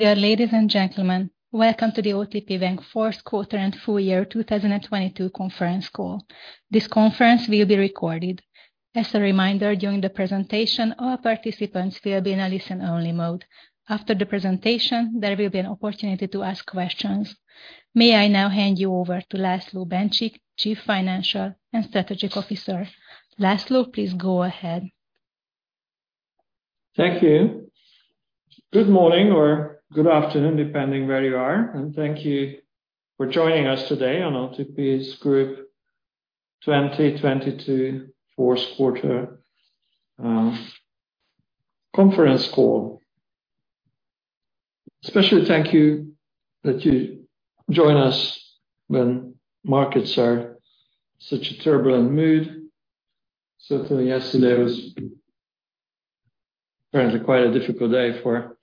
Dear ladies and gentlemen, welcome to the OTP Bank fourth quarter and full year 2022 conference call. This conference will be recorded. As a reminder, during the presentation, all participants will be in a listen-only mode. After the presentation, there will be an opportunity to ask questions. May I now hand you over to László Bencsik, Chief Financial and Strategic Officer. László, please go ahead. Thank you. Good morning or good afternoon, depending where you are, and thank you for joining us today on OTP's Group 2022 fourth quarter conference call. Especially thank you that you join us when markets are such a turbulent mood. Certainly yesterday was apparently quite a difficult day for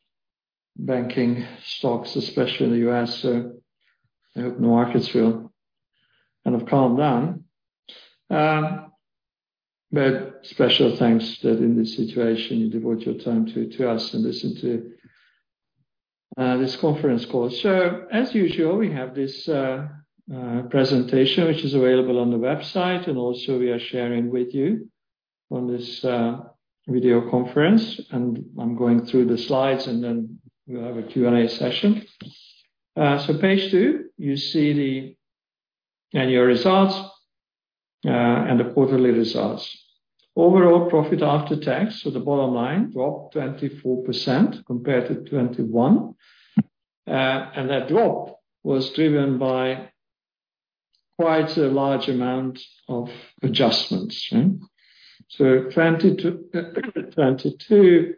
banking stocks, especially in the U.S. I hope the markets will kind of calm down. Special thanks that in this situation you devote your time to us and listen to this conference call. As usual, we have this presentation which is available on the website. We are sharing with you on this video conference. I'm going through the slides. We'll have a Q&A session. Page two, you see the annual results and the quarterly results. Overall profit after tax, so the bottom line, dropped 24% compared to 2021. That drop was driven by quite a large amount of adjustments, right? 2022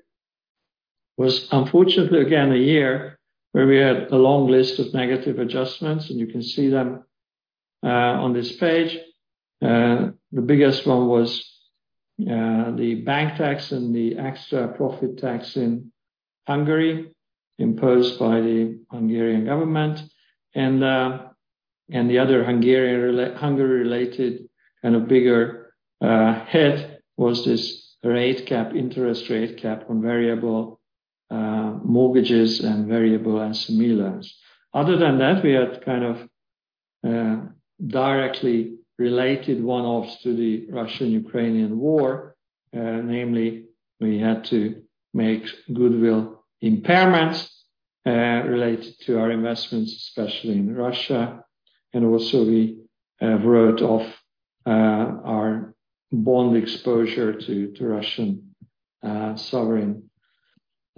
was unfortunately again a year where we had a long list of negative adjustments, and you can see them on this page. The biggest one was the bank tax and the extra profit tax in Hungary imposed by the Hungarian government. The other Hungarian Hungary related and a bigger hit was this rate cap, interest rate cap on variable mortgages and variable SME loans. Other than that, we had kind of directly related one-offs to the Russian-Ukrainian war, namely we had to make goodwill impairments related to our investments, especially in Russia. Also we wrote off our bond exposure to Russian sovereign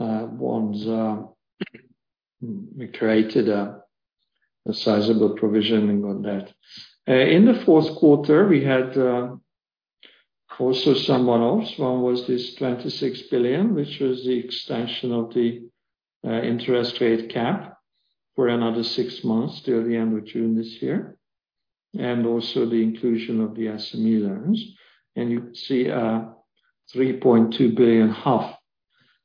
bonds. We created a sizable provisioning on that. In the fourth quarter, we had also some one-offs. One was this 26 billion, which was the extension of the interest rate cap for another six months till the end of June this year, and also the inclusion of the SME loans. You see a 3.2 billion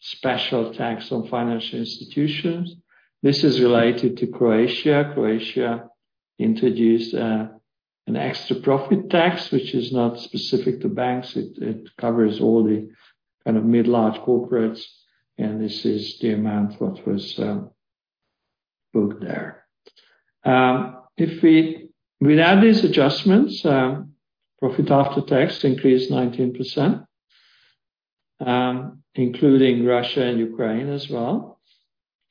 special tax on financial institutions. This is related to Croatia. Croatia introduced an extra profit tax, which is not specific to banks. It covers all the kind of mid large corporates, and this is the amount what was booked there. If we without these adjustments, profit after tax increased 19%, including Russia and Ukraine as well.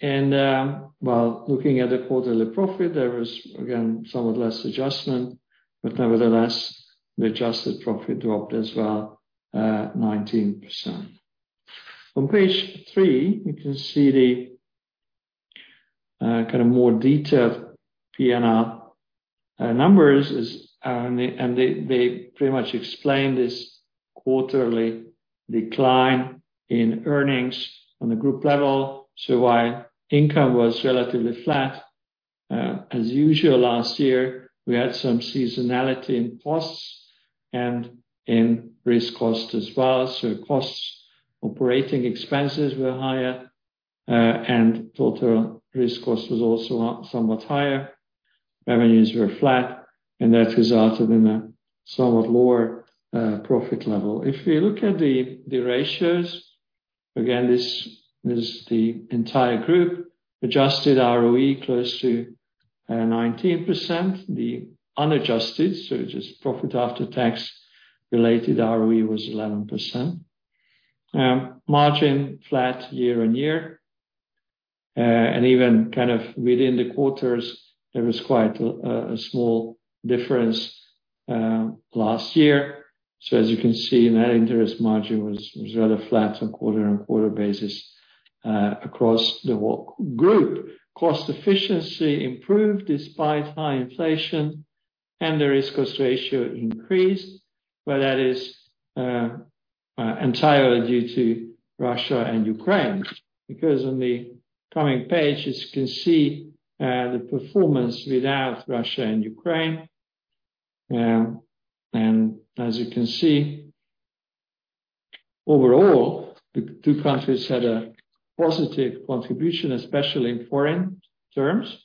Well, looking at the quarterly profit, there was again somewhat less adjustment, but nevertheless, the adjusted profit dropped as well, 19%. On page three, you can see the kind of more detailed P&L numbers is, and they pretty much explain this quarterly decline in earnings on the group level. While income was relatively flat, as usual last year, we had some seasonality in costs and in risk cost as well. Costs, operating expenses were higher, and total risk cost was also up somewhat higher. Revenues were flat, and that resulted in a somewhat lower profit level. If we look at the ratios, again, this is the entire group. Adjusted ROE close to 19%. The unadjusted, so just profit after tax related ROE was 11%. Margin flat year-on-year. Even kind of within the quarters there was a small difference last year. As you can see, net interest margin was rather flat on quarter-on-quarter basis across the whole group. Cost efficiency improved despite high inflation and the risk cost ratio increased. That is entirely due to Russia and Ukraine. On the coming pages you can see the performance without Russia and Ukraine. As you can see, overall the two countries had a positive contribution, especially in foreign terms.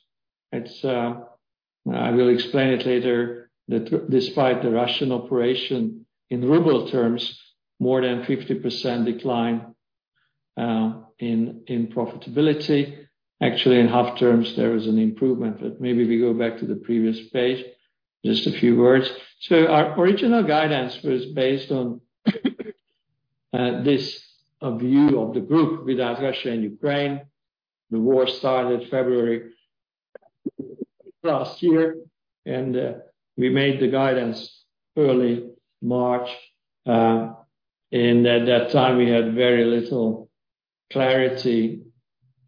I will explain it later that despite the Russian operation in ruble terms, more than 50% decline in profitability. Actually, in HUF terms, there is an improvement, maybe we go back to the previous page, just a few words. Our original guidance was based on this view of the group without Russia and Ukraine. The war started February 2022, and we made the guidance early March. At that time, we had very little clarity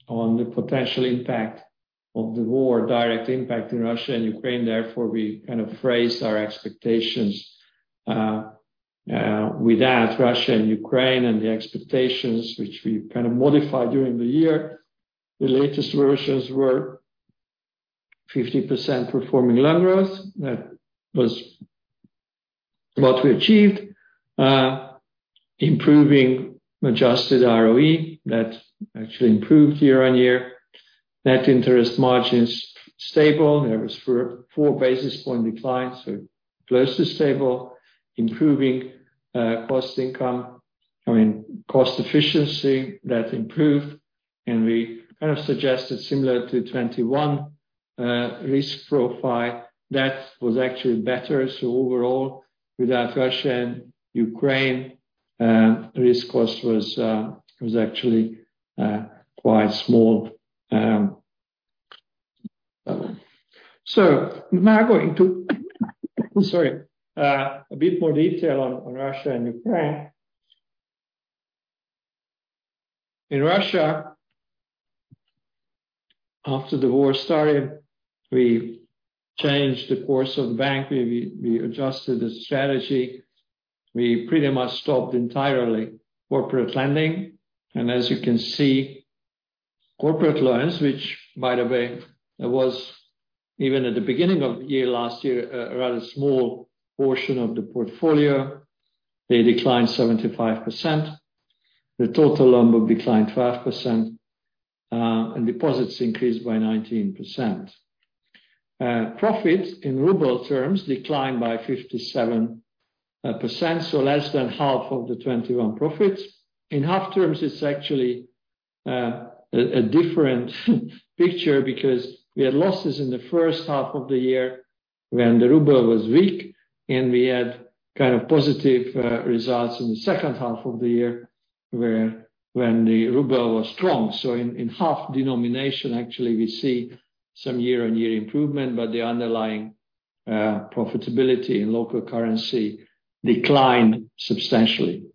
on the potential impact of the war, direct impact in Russia and Ukraine. Therefore, we kind of phrased our expectations without Russia and Ukraine and the expectations which we kind of modified during the year. The latest versions were 50% performing loan growth. That was what we achieved. Improving adjusted ROE, that actually improved year-on-year. Net interest margin is stable. There was 4 basis point decline, so close to stable. Improving cost income, I mean cost efficiency, that improved. We kind of suggested similar to 2021 risk profile. That was actually better. Overall, without Russia and Ukraine, risk cost was actually quite small. Now going to sorry, a bit more detail on Russia and Ukraine. In Russia, after the war started, we changed the course of the bank. We adjusted the strategy. We pretty much stopped entirely corporate lending. As you can see, corporate loans, which by the way was even at the beginning of the year, last year, a rather small portion of the portfolio, they declined 75%. The total loan book declined 12%, and deposits increased by 19%. Profits in ruble terms declined by 57%, so less than half of the 2021 profits. In HUF terms, it's actually a different picture because we had losses in the first half of the year when the ruble was weak, and we had positive results in the second half of the year when the ruble was strong. In HUF denomination, actually we see some year-on-year improvement, but the underlying profitability in local currency declined substantially.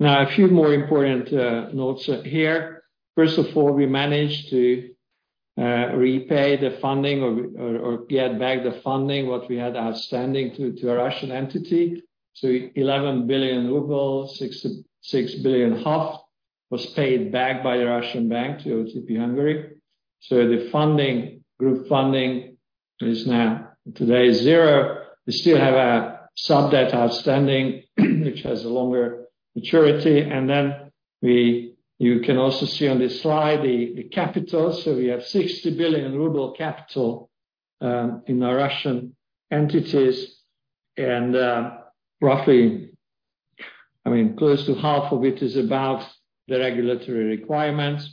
A few more important notes here. First of all, we managed to repay the funding or get back the funding, what we had outstanding to a Russian entity. 11 billion rubles, 6 billion was paid back by the Russian bank to OTP Bank Hungary. The funding, group funding is now today zero. We still have some debt outstanding which has a longer maturity. You can also see on this slide the capital. We have 60 billion ruble capital in our Russian entities. Roughly, close to half of it is above the regulatory requirements.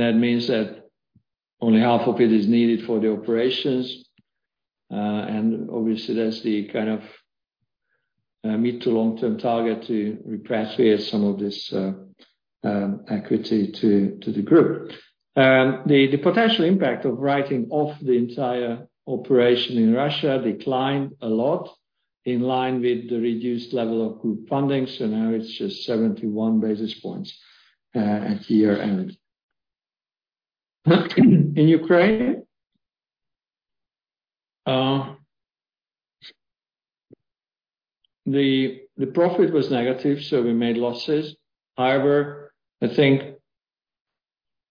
That means that only half of it is needed for the operations. Obviously that's the kind of mid to long-term target to repatriate some of this equity to the group. The potential impact of writing off the entire operation in Russia declined a lot in line with the reduced level of group funding. Now it's just 71 basis points at year-end. In Ukraine, the profit was negative, so we made losses. However, I think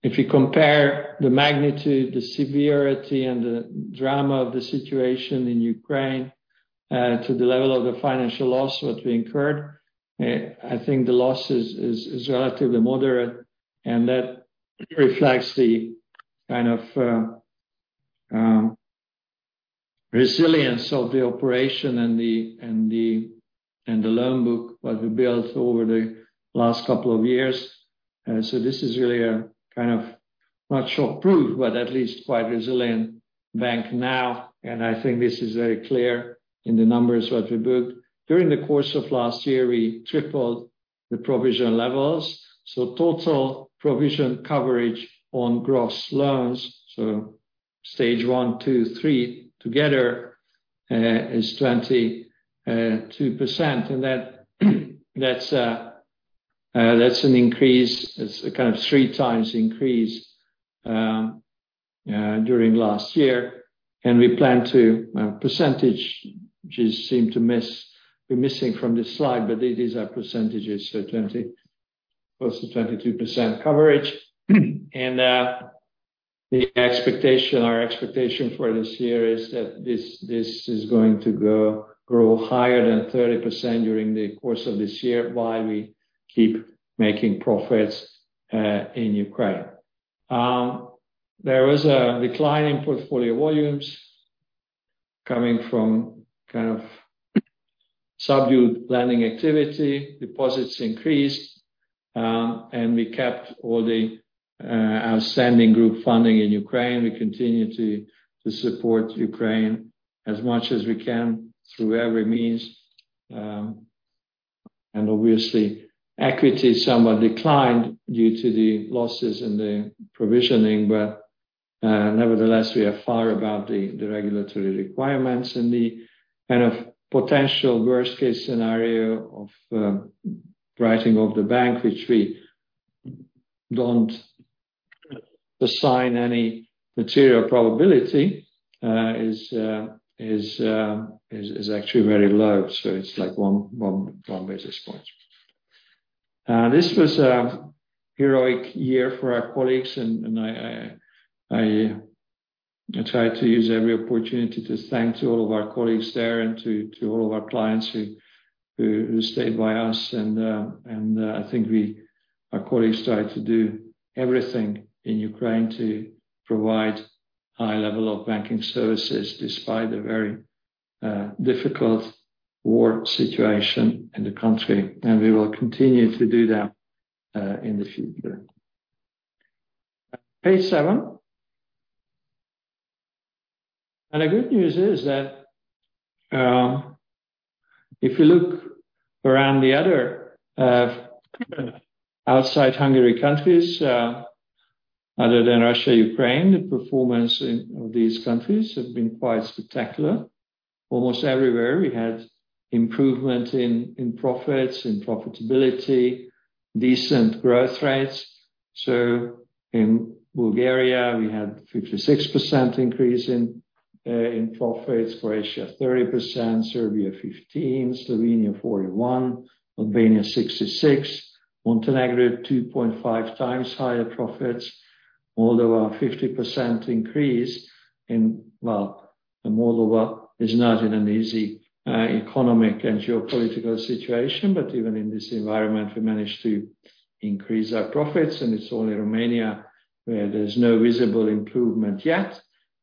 if you compare the magnitude, the severity, and the drama of the situation in Ukraine, to the level of the financial loss what we incurred, I think the loss is relatively moderate. That reflects the kind of resilience of the operation and the loan book what we built over the last couple of years. This is really a kind of not shock proof, but at least quite resilient bank now. I think this is very clear in the numbers what we booked. During the course of last year, we tripled the provision levels. Total provision coverage on gross loans, so Stage one, two, three together, is 22%. That's an increase. It's a kind of three times increase during last year. We plan to percentage just seem to miss, we're missing from this slide, but it is our percentages, so close to 22% coverage. Our expectation for this year is that this is going to grow higher than 30% during the course of this year, while we keep making profits in Ukraine. There was a decline in portfolio volumes coming from kind of subdued lending activity. Deposits increased, and we kept all the outstanding group funding in Ukraine. We continue to support Ukraine as much as we can through every means. Obviously, equity somewhat declined due to the losses and the provisioning, but nevertheless, we are far above the regulatory requirements. The kind of potential worst case scenario of writing off the bank, which we don't assign any material probability, is actually very low. It's like 1 basis point. This was a heroic year for our colleagues and I try to use every opportunity to thank to all of our colleagues there and to all of our clients who stayed by us. I think our colleagues tried to do everything in Ukraine to provide high level of banking services despite the very difficult war situation in the country. We will continue to do that in the future. Page seven. The good news is that, if you look around the other, outside Hungary countries, other than Russia, Ukraine, the performance in these countries have been quite spectacular. Almost everywhere we had improvement in profits, in profitability, decent growth rates. In Bulgaria, we had 56% increase in profits. Croatia, 30%. Serbia, 15%. Slovenia, 41%. Albania, 66%. Montenegro, 2.5 times higher profits. Moldova, 50% increase in... Well, Moldova is not in an easy economic and geopolitical situation, but even in this environment, we managed to increase our profits. It's only Romania where there's no visible improvement yet.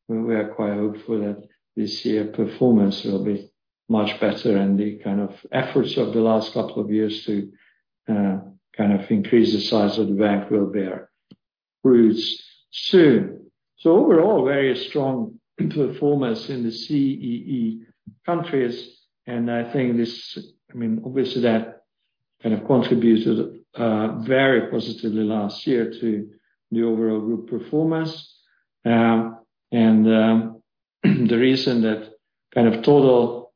We are quite hopeful that this year performance will be much better, and the kind of efforts of the last couple of years to increase the size of the bank will bear fruits soon. Overall, very strong performance in the CEE countries, I mean, obviously that kind of contributed very positively last year to the overall group performance. The reason that kind of total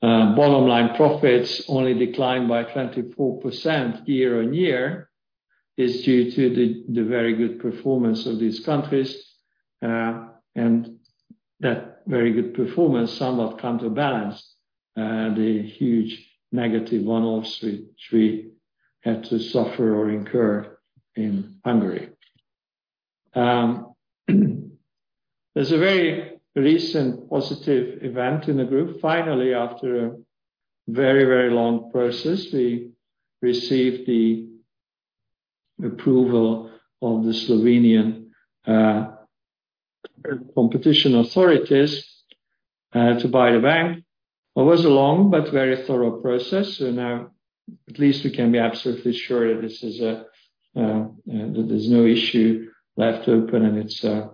bottom line profits only declined by 24% year-on-year is due to the very good performance of these countries. That very good performance somewhat counterbalanced the huge negative one-offs which we had to suffer or incur in Hungary. There's a very recent positive event in the group. Finally, after a very, very long process, we received the approval of the Slovenian competition authorities to buy the bank. It was a long but very thorough process. Now at least we can be absolutely sure that this is that there's no issue left open and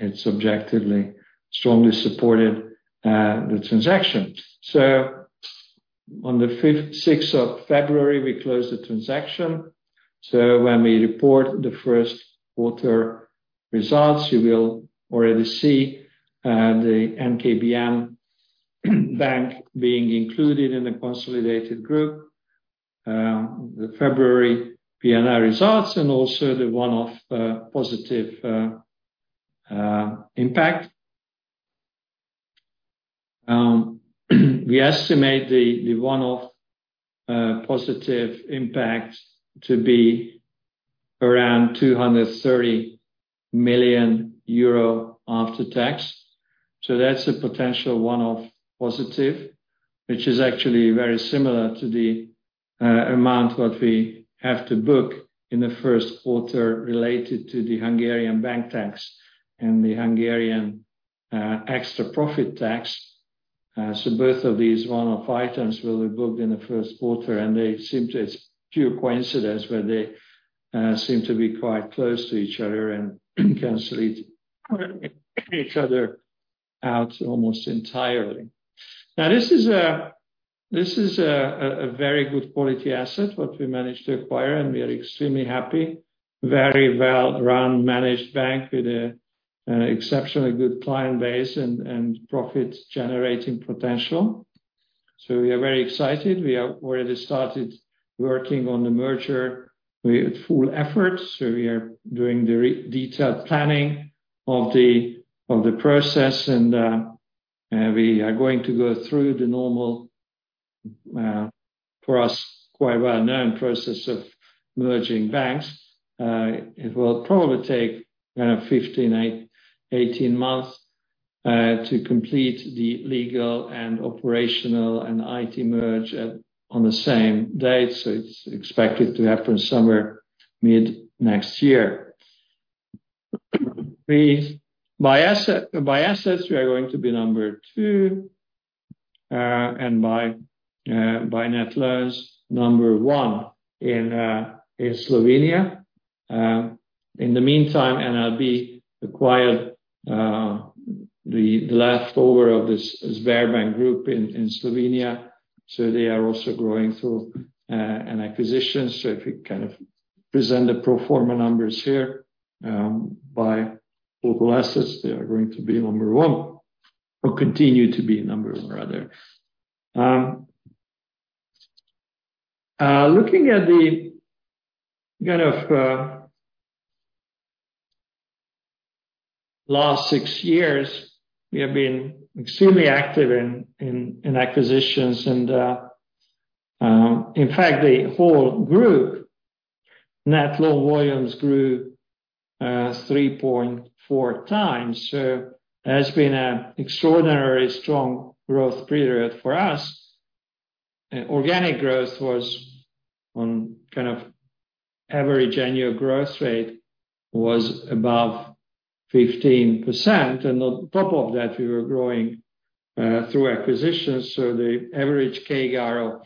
it's objectively strongly supported the transaction. On the February 6th, we closed the transaction. When we report the first quarter results, you will already see the NKBM Bank being included in the consolidated group, the February PNL results and also the one-off positive impact. We estimate the one-off positive impact to be around 230 million euro after tax. That's a potential one-off positive, which is actually very similar to the amount what we have to book in the first quarter related to the Hungarian bank tax and the Hungarian extra profit tax. Both of these one-off items will be booked in the first quarter, and they seem to it's pure coincidence, but they seem to be quite close to each other and cancel each other out almost entirely. This is a very good quality asset what we managed to acquire, and we are extremely happy. Very well-run managed bank with a exceptionally good client base and profit-generating potential. We are very excited. We already started working on the merger with full effort. We are doing the detailed planning of the process and we are going to go through the normal for us quite well known process of merging banks. It will probably take 15-18 months to complete the legal and operational and IT merge on the same date. It's expected to happen somewhere mid next year. Please. By assets, we are going to be number two, and by net loans number one in Slovenia. In the meantime, NLB acquired the leftover of this Sberbank group in Slovenia, they are also growing through an acquisition. If you present the pro forma numbers here, by local assets, they are going to be number one or continue to be number one rather. Looking at the last six years, we have been extremely active in acquisitions and, in fact, the whole group net loan volumes grew 3.4 times. That's been an extraordinarily strong growth period for us. Organic growth was on kind of average annual growth rate was above 15%. On top of that, we were growing through acquisitions. The average CAGR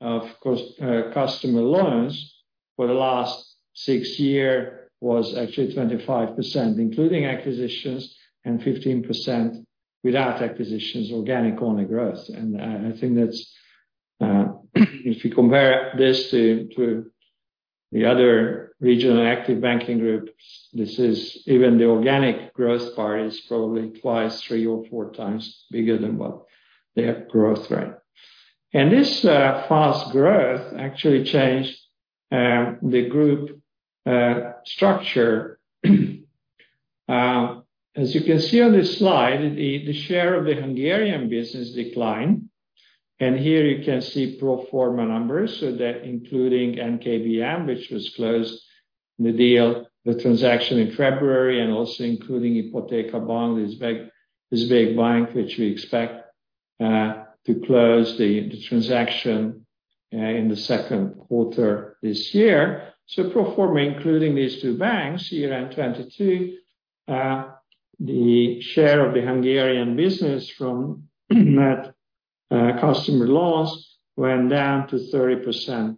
of customer loans for the last six year was actually 25%, including acquisitions and 15% without acquisitions, organic only growth. I think that's, if you compare this to the other regional active banking groups, this is even the organic growth part is probably twice, three or four times bigger than what their growth rate. This fast growth actually changed the group structure. As you can see on this slide, the share of the Hungarian business declined. Here you can see pro forma numbers. That including NKBM, which was closed in the deal, the transaction in February and also including Ipoteka Bank is big bank, which we expect to close the transaction in the second quarter this year. Pro forma, including these two banks, year-end 2022, the share of the Hungarian business from net customer loans went down to 30%.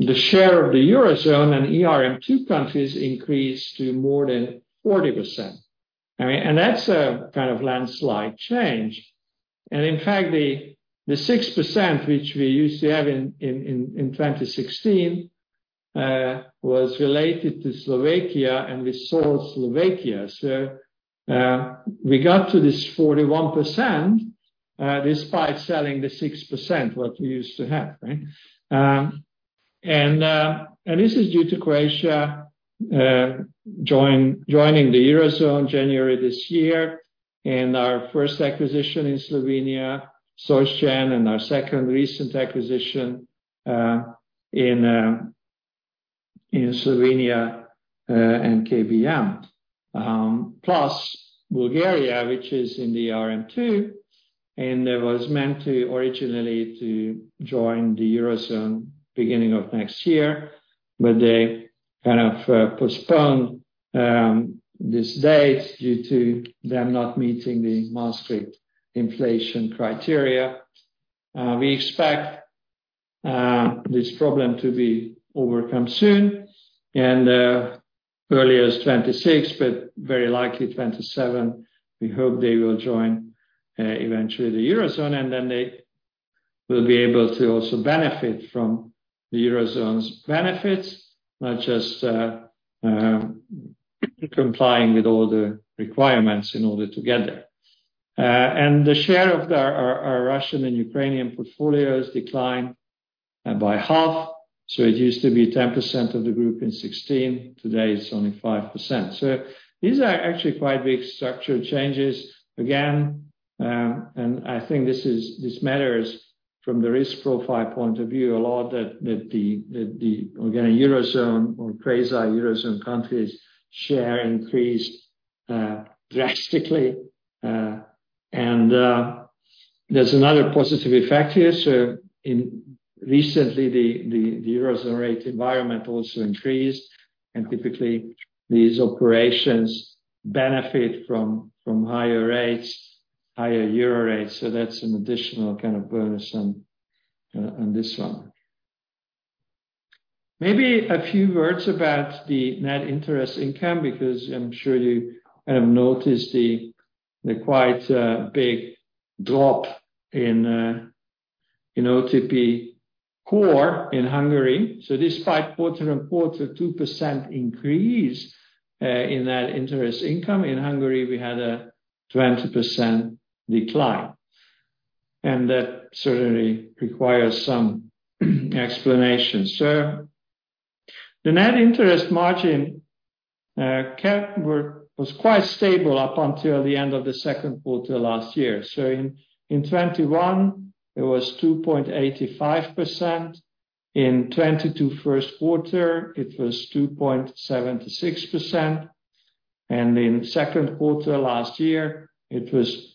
The share of the Eurozone and ERM II countries increased to more than 40%. I mean, that's a kind of landslide change. In fact, the 6% which we used to have in 2016 was related to Slovakia, and we sold Slovakia. We got to this 41% despite selling the 6% what we used to have, right. This is due to Croatia joining the Eurozone January this year, and our first acquisition in Slovenia, SocGen, and our second recent acquisition in Slovenia, NKBM. Bulgaria, which is in the ERM II, and it was meant originally to join the Eurozone beginning of next year, but they kind of postponed this date due to them not meeting the Maastricht inflation criteria. We expect this problem to be overcome soon and early as 26, but very likely 27. We hope they will join eventually the Eurozone, then they will be able to also benefit from the Eurozone's benefits, not just complying with all the requirements in order to get there. The share of our Russian and Ukrainian portfolios declined by half. It used to be 10% of the group in 2016. Today, it's only 5%. These are actually quite big structural changes. Again, and I think this matters from the risk profile point of view a lot, that the, again, Eurozone or quasi Eurozone countries share increased drastically. There's another positive effect here. In recently, the Eurozone rate environment also increased, and typically these operations benefit from higher rates, higher Euro rates. That's an additional kind of bonus on this one. Maybe a few words about the net interest income, because I'm sure you have noticed the quite big drop in OTP core in Hungary. Despite quarter on quarter 2% increase in that interest income, in Hungary we had a 20% decline. That certainly requires some explanation. The net interest margin was quite stable up until the end of the second quarter last year. In 2021 it was 2.85%. In 2022 first quarter it was 2.76%. In second quarter last year it was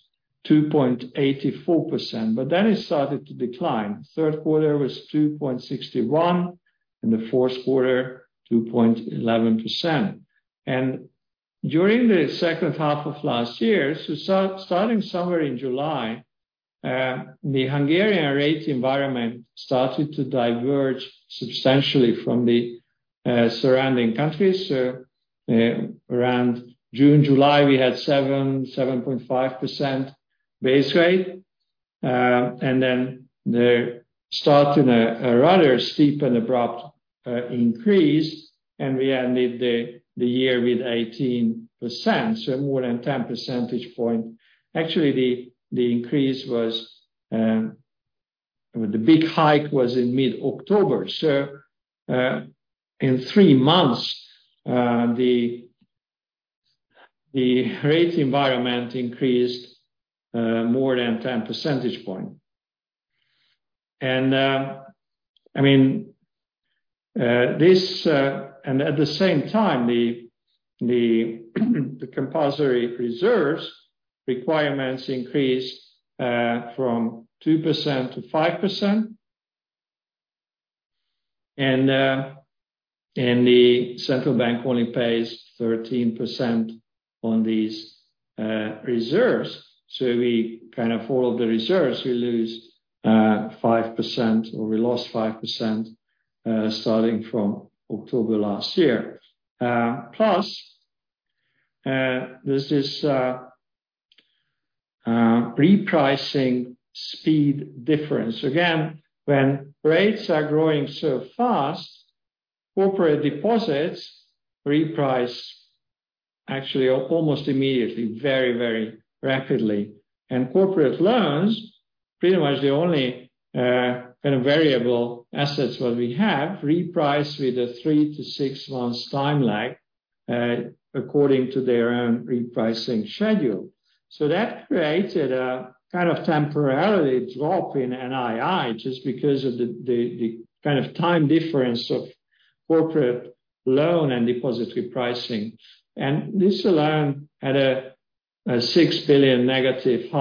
2.84%. It started to decline. Third quarter was 2.61%, and the fourth quarter, 2.11%. During the second half of last year, starting somewhere in July, the Hungarian rate environment started to diverge substantially from the surrounding countries. Around June, July, we had 7%, 7.5% base rate. They start in a rather steep and abrupt increase, and we ended the year with 18%, more than 10 percentage point. Actually, the increase was, the big hike was in mid-October. In three months, the rate environment increased more than 10 percentage point. I mean, at the same time, the compulsory reserves requirements increased from 2%-5%. The central bank only pays 13% on these reserves. We kind of follow the reserves. We lose 5%, or we lost 5%, starting from October last year. Plus, there's this repricing speed difference. When rates are growing so fast, corporate deposits reprice actually almost immediately, very, very rapidly. Corporate loans, pretty much the only kind of variable assets that we have, reprice with a three-six months time lag, according to their own repricing schedule. That created a kind of temporarily drop in NII just because of the kind of time difference of corporate loan and depository pricing. This alone had a 6 billion negative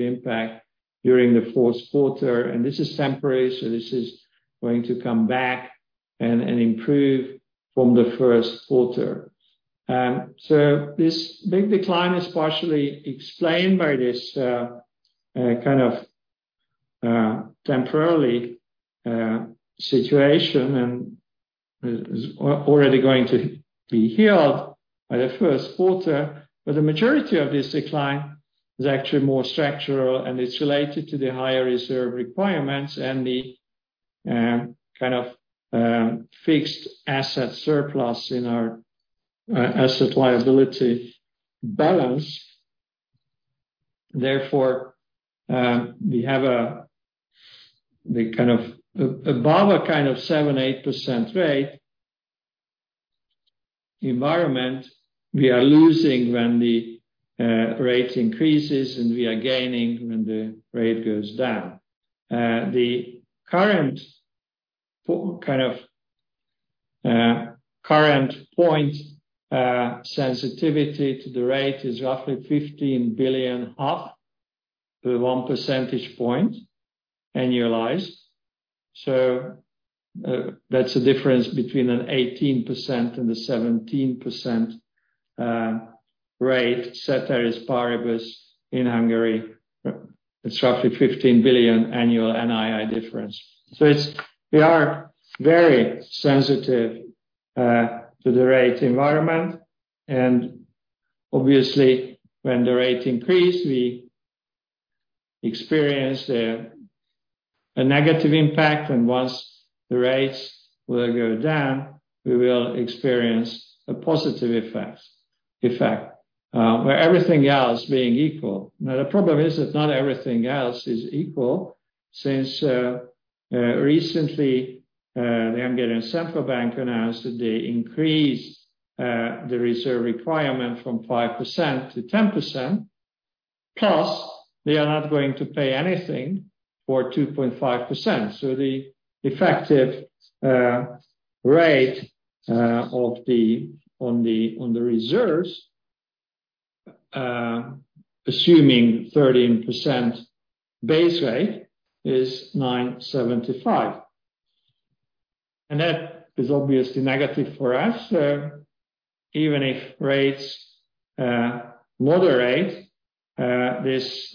impact during the fourth quarter. This is temporary, so this is going to come back and improve from the first quarter. This big decline is partially explained by this kind of temporarily situation and is already going to be healed by the first quarter. The majority of this decline is actually more structural, and it's related to the higher reserve requirements and the kind of fixed asset surplus in our asset liability balance. We have the kind of above a 7%, 8% rate environment we are losing when the rate increases, and we are gaining when the rate goes down. The current point sensitivity to the rate is roughly 15 billion to 1 percentage point annualized. That's the difference between an 18% and a 17% rate set by [Paris] in Hungary. It's roughly 15 billion annual NII difference. We are very sensitive to the rate environment, and obviously, when the rate increase, we experience a negative impact, and once the rates will go down, we will experience a positive effect where everything else being equal. The problem is that not everything else is equal since recently the Hungarian Central Bank announced that they increased the reserve requirement from 5%-10%, plus they are not going to pay anything for 2.5%. The effective rate on the reserves, assuming 13% base rate is 9.75%. That is obviously negative for us. Even if rates moderate, these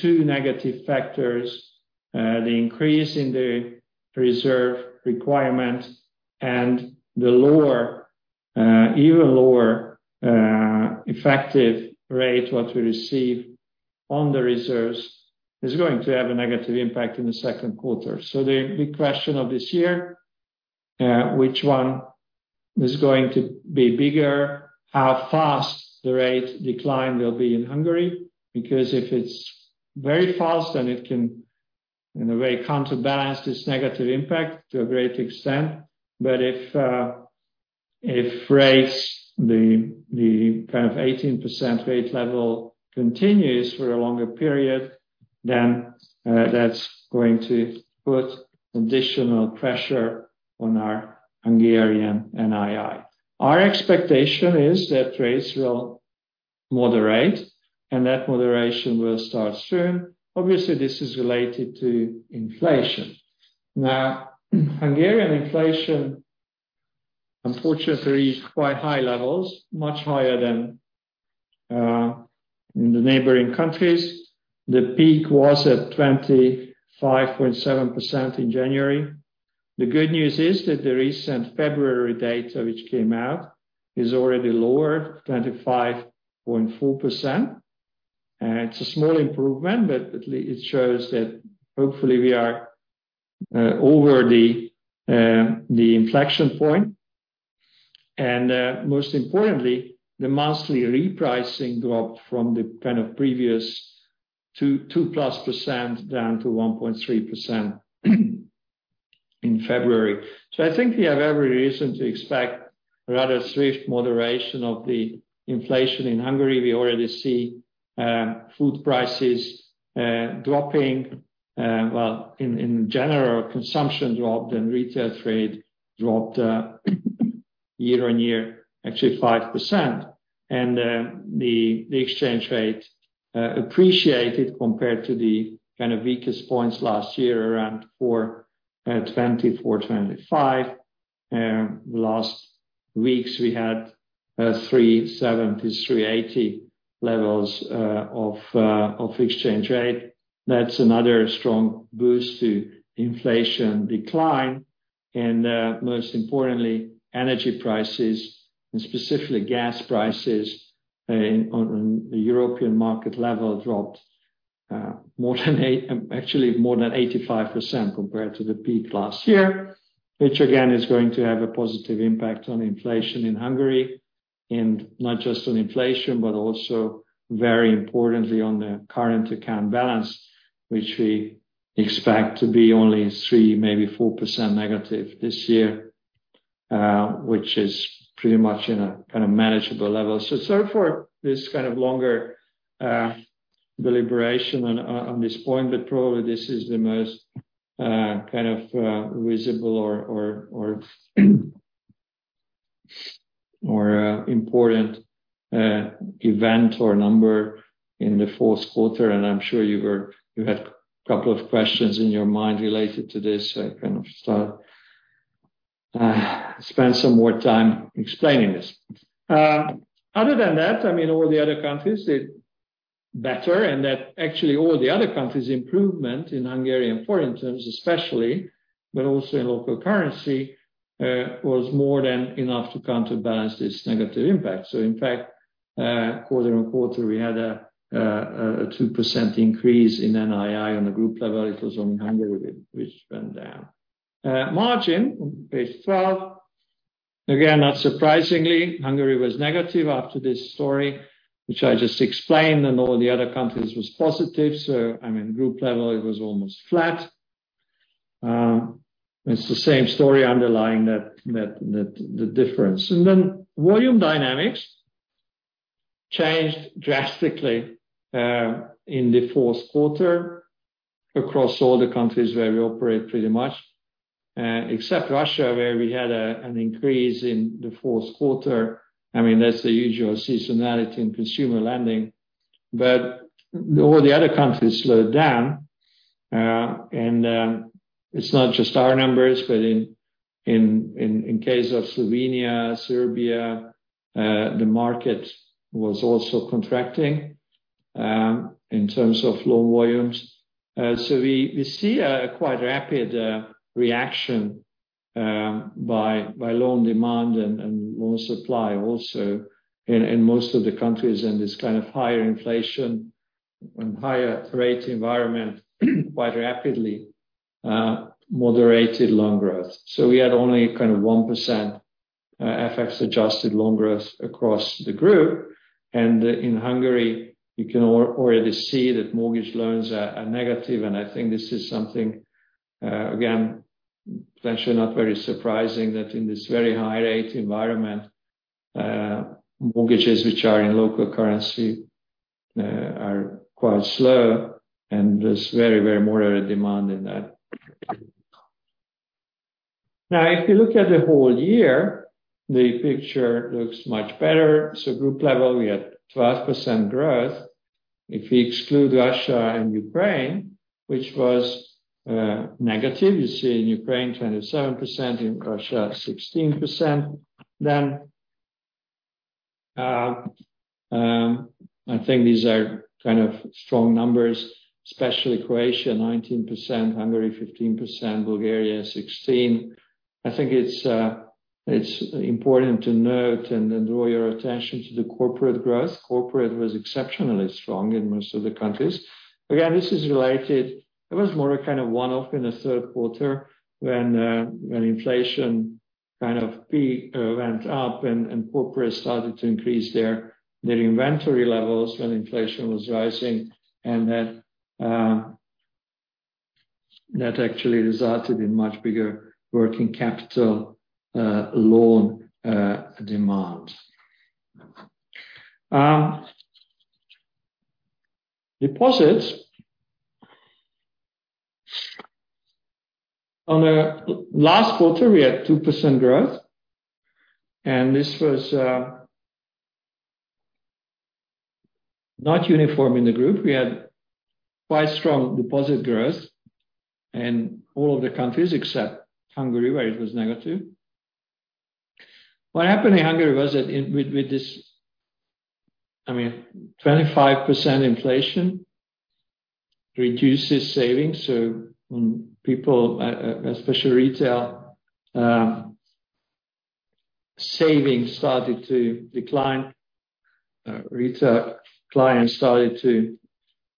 two negative factors, the increase in the reserve requirement and the lower, even lower, effective rate what we receive on the reserves, is going to have a negative impact in the second quarter. The big question of this year: Which one is going to be bigger? How fast the rate decline will be in Hungary? If it's very fast, then it can in a way counterbalance this negative impact to a great extent. If rates the kind of 18% rate level continues for a longer period, then that's going to put additional pressure on our Hungarian NII. Our expectation is that rates will moderate and that moderation will start soon. Obviously, this is related to inflation. Hungarian inflation unfortunately is quite high levels, much higher than in the neighboring countries. The peak was at 25.7% in January. The good news is that the recent February data which came out is already lower, 25.4%. It's a small improvement, but at least it shows that hopefully we are over the inflection point. Most importantly, the monthly repricing dropped from the previous 2+% down to 1.3% in February. I think we have every reason to expect a rather swift moderation of the inflation in Hungary. We already see food prices dropping. In general, consumption dropped and retail trade dropped year-over-year, actually 5%. The exchange rate appreciated compared to the weakest points last year around 420-425. Last weeks we had 370-380 levels of exchange rate. That's another strong boost to inflation decline. Most importantly, energy prices and specifically gas prices on the European market level dropped actually more than 85% compared to the peak last year. Which again is going to have a positive impact on inflation in Hungary, and not just on inflation, but also very importantly on the current account balance, which we expect to be only three, maybe 4% negative this year, which is pretty much in a kind of manageable level. Sorry for this kind of longer deliberation on this point, but probably this is the most kind of visible or important event or number in the fourth quarter. I'm sure you had a couple of questions in your mind related to this, so I kind of start spend some more time explaining this. Other than that, I mean, all the other countries did better and that actually all the other countries improvement in Hungarian foreign terms especially, but also in local currency, was more than enough to counterbalance this negative impact. In fact, quarter-on-quarter, we had a 2% increase in NII. On a group level, it was only Hungary which went down. Margin on page 12. Again, not surprisingly, Hungary was negative after this story, which I just explained, and all the other countries was positive. I mean, group level, it was almost flat. It's the same story underlying that the difference. Volume dynamics changed drastically in the fourth quarter across all the countries where we operate pretty much, except Russia, where we had an increase in the fourth quarter. I mean, that's the usual seasonality in consumer lending. All the other countries slowed down. It's not just our numbers, but in case of Slovenia, Serbia, the market was also contracting in terms of low volumes. We see a quite rapid reaction by loan demand and loan supply also in most of the countries in this kind of higher inflation and higher rate environment quite rapidly moderated loan growth. We had only kind of 1% FX-adjusted loan growth across the group. In Hungary, you can already see that mortgage loans are negative. I think this is something, again, potentially not very surprising that in this very high rate environment, mortgages which are in local currency, are quite slow, and there's very, very moderate demand in that. Now, if you look at the whole year, the picture looks much better. Group level, we had 12% growth. If we exclude Russia and Ukraine, which was negative. You see in Ukraine, 27%, in Russia, 16%. I think these are kind of strong numbers, especially Croatia, 19%, Hungary 15%, Bulgaria 16%. I think it's important to note and then draw your attention to the corporate growth. Corporate was exceptionally strong in most of the countries. Again, this is related. It was more a kind of one-off in the third quarter when inflation kind of peak went up and corporate started to increase their inventory levels when inflation was rising, and that actually resulted in much bigger working capital loan demand. Deposits. On the last quarter, we had 2% growth. This was not uniform in the group. We had quite strong deposit growth in all of the countries except Hungary, where it was negative. What happened in Hungary was that with this, I mean, 25% inflation reduces savings. When people, especially retail, saving started to decline, retail clients started to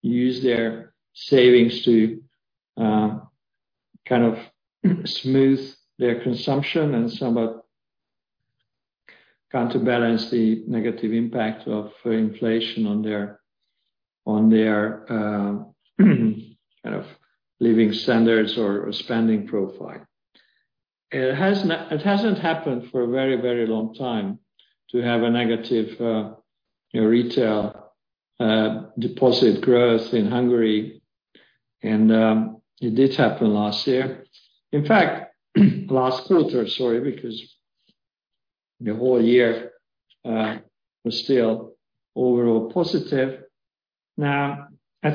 use their savings to kind of smooth their consumption and somewhat counterbalance the negative impact of inflation on their kind of living standards or spending profile. It hasn't happened for a very, very long time to have a negative, you know, retail deposit growth in Hungary and it did happen last year. In fact, last quarter, sorry, because the whole year was still overall positive. I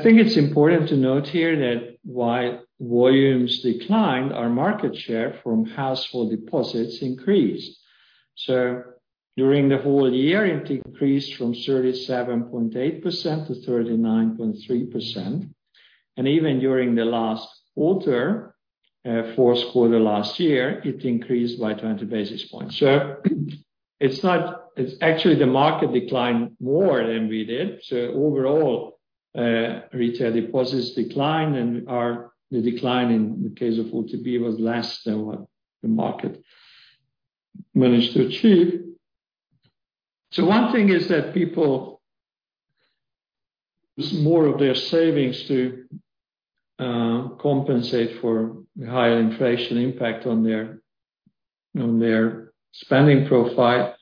think it's important to note here that while volumes declined, our market share from household deposits increased. During the whole year, it increased from 37.8%-39.3%. Even during the last quarter, fourth quarter last year, it increased by 20 basis points. It's actually the market declined more than we did. Overall, retail deposits declined, and the decline in the case of OTP was less than what the market managed to achieve. One thing is that people use more of their savings to compensate for higher inflation impact on their, on their spending profile.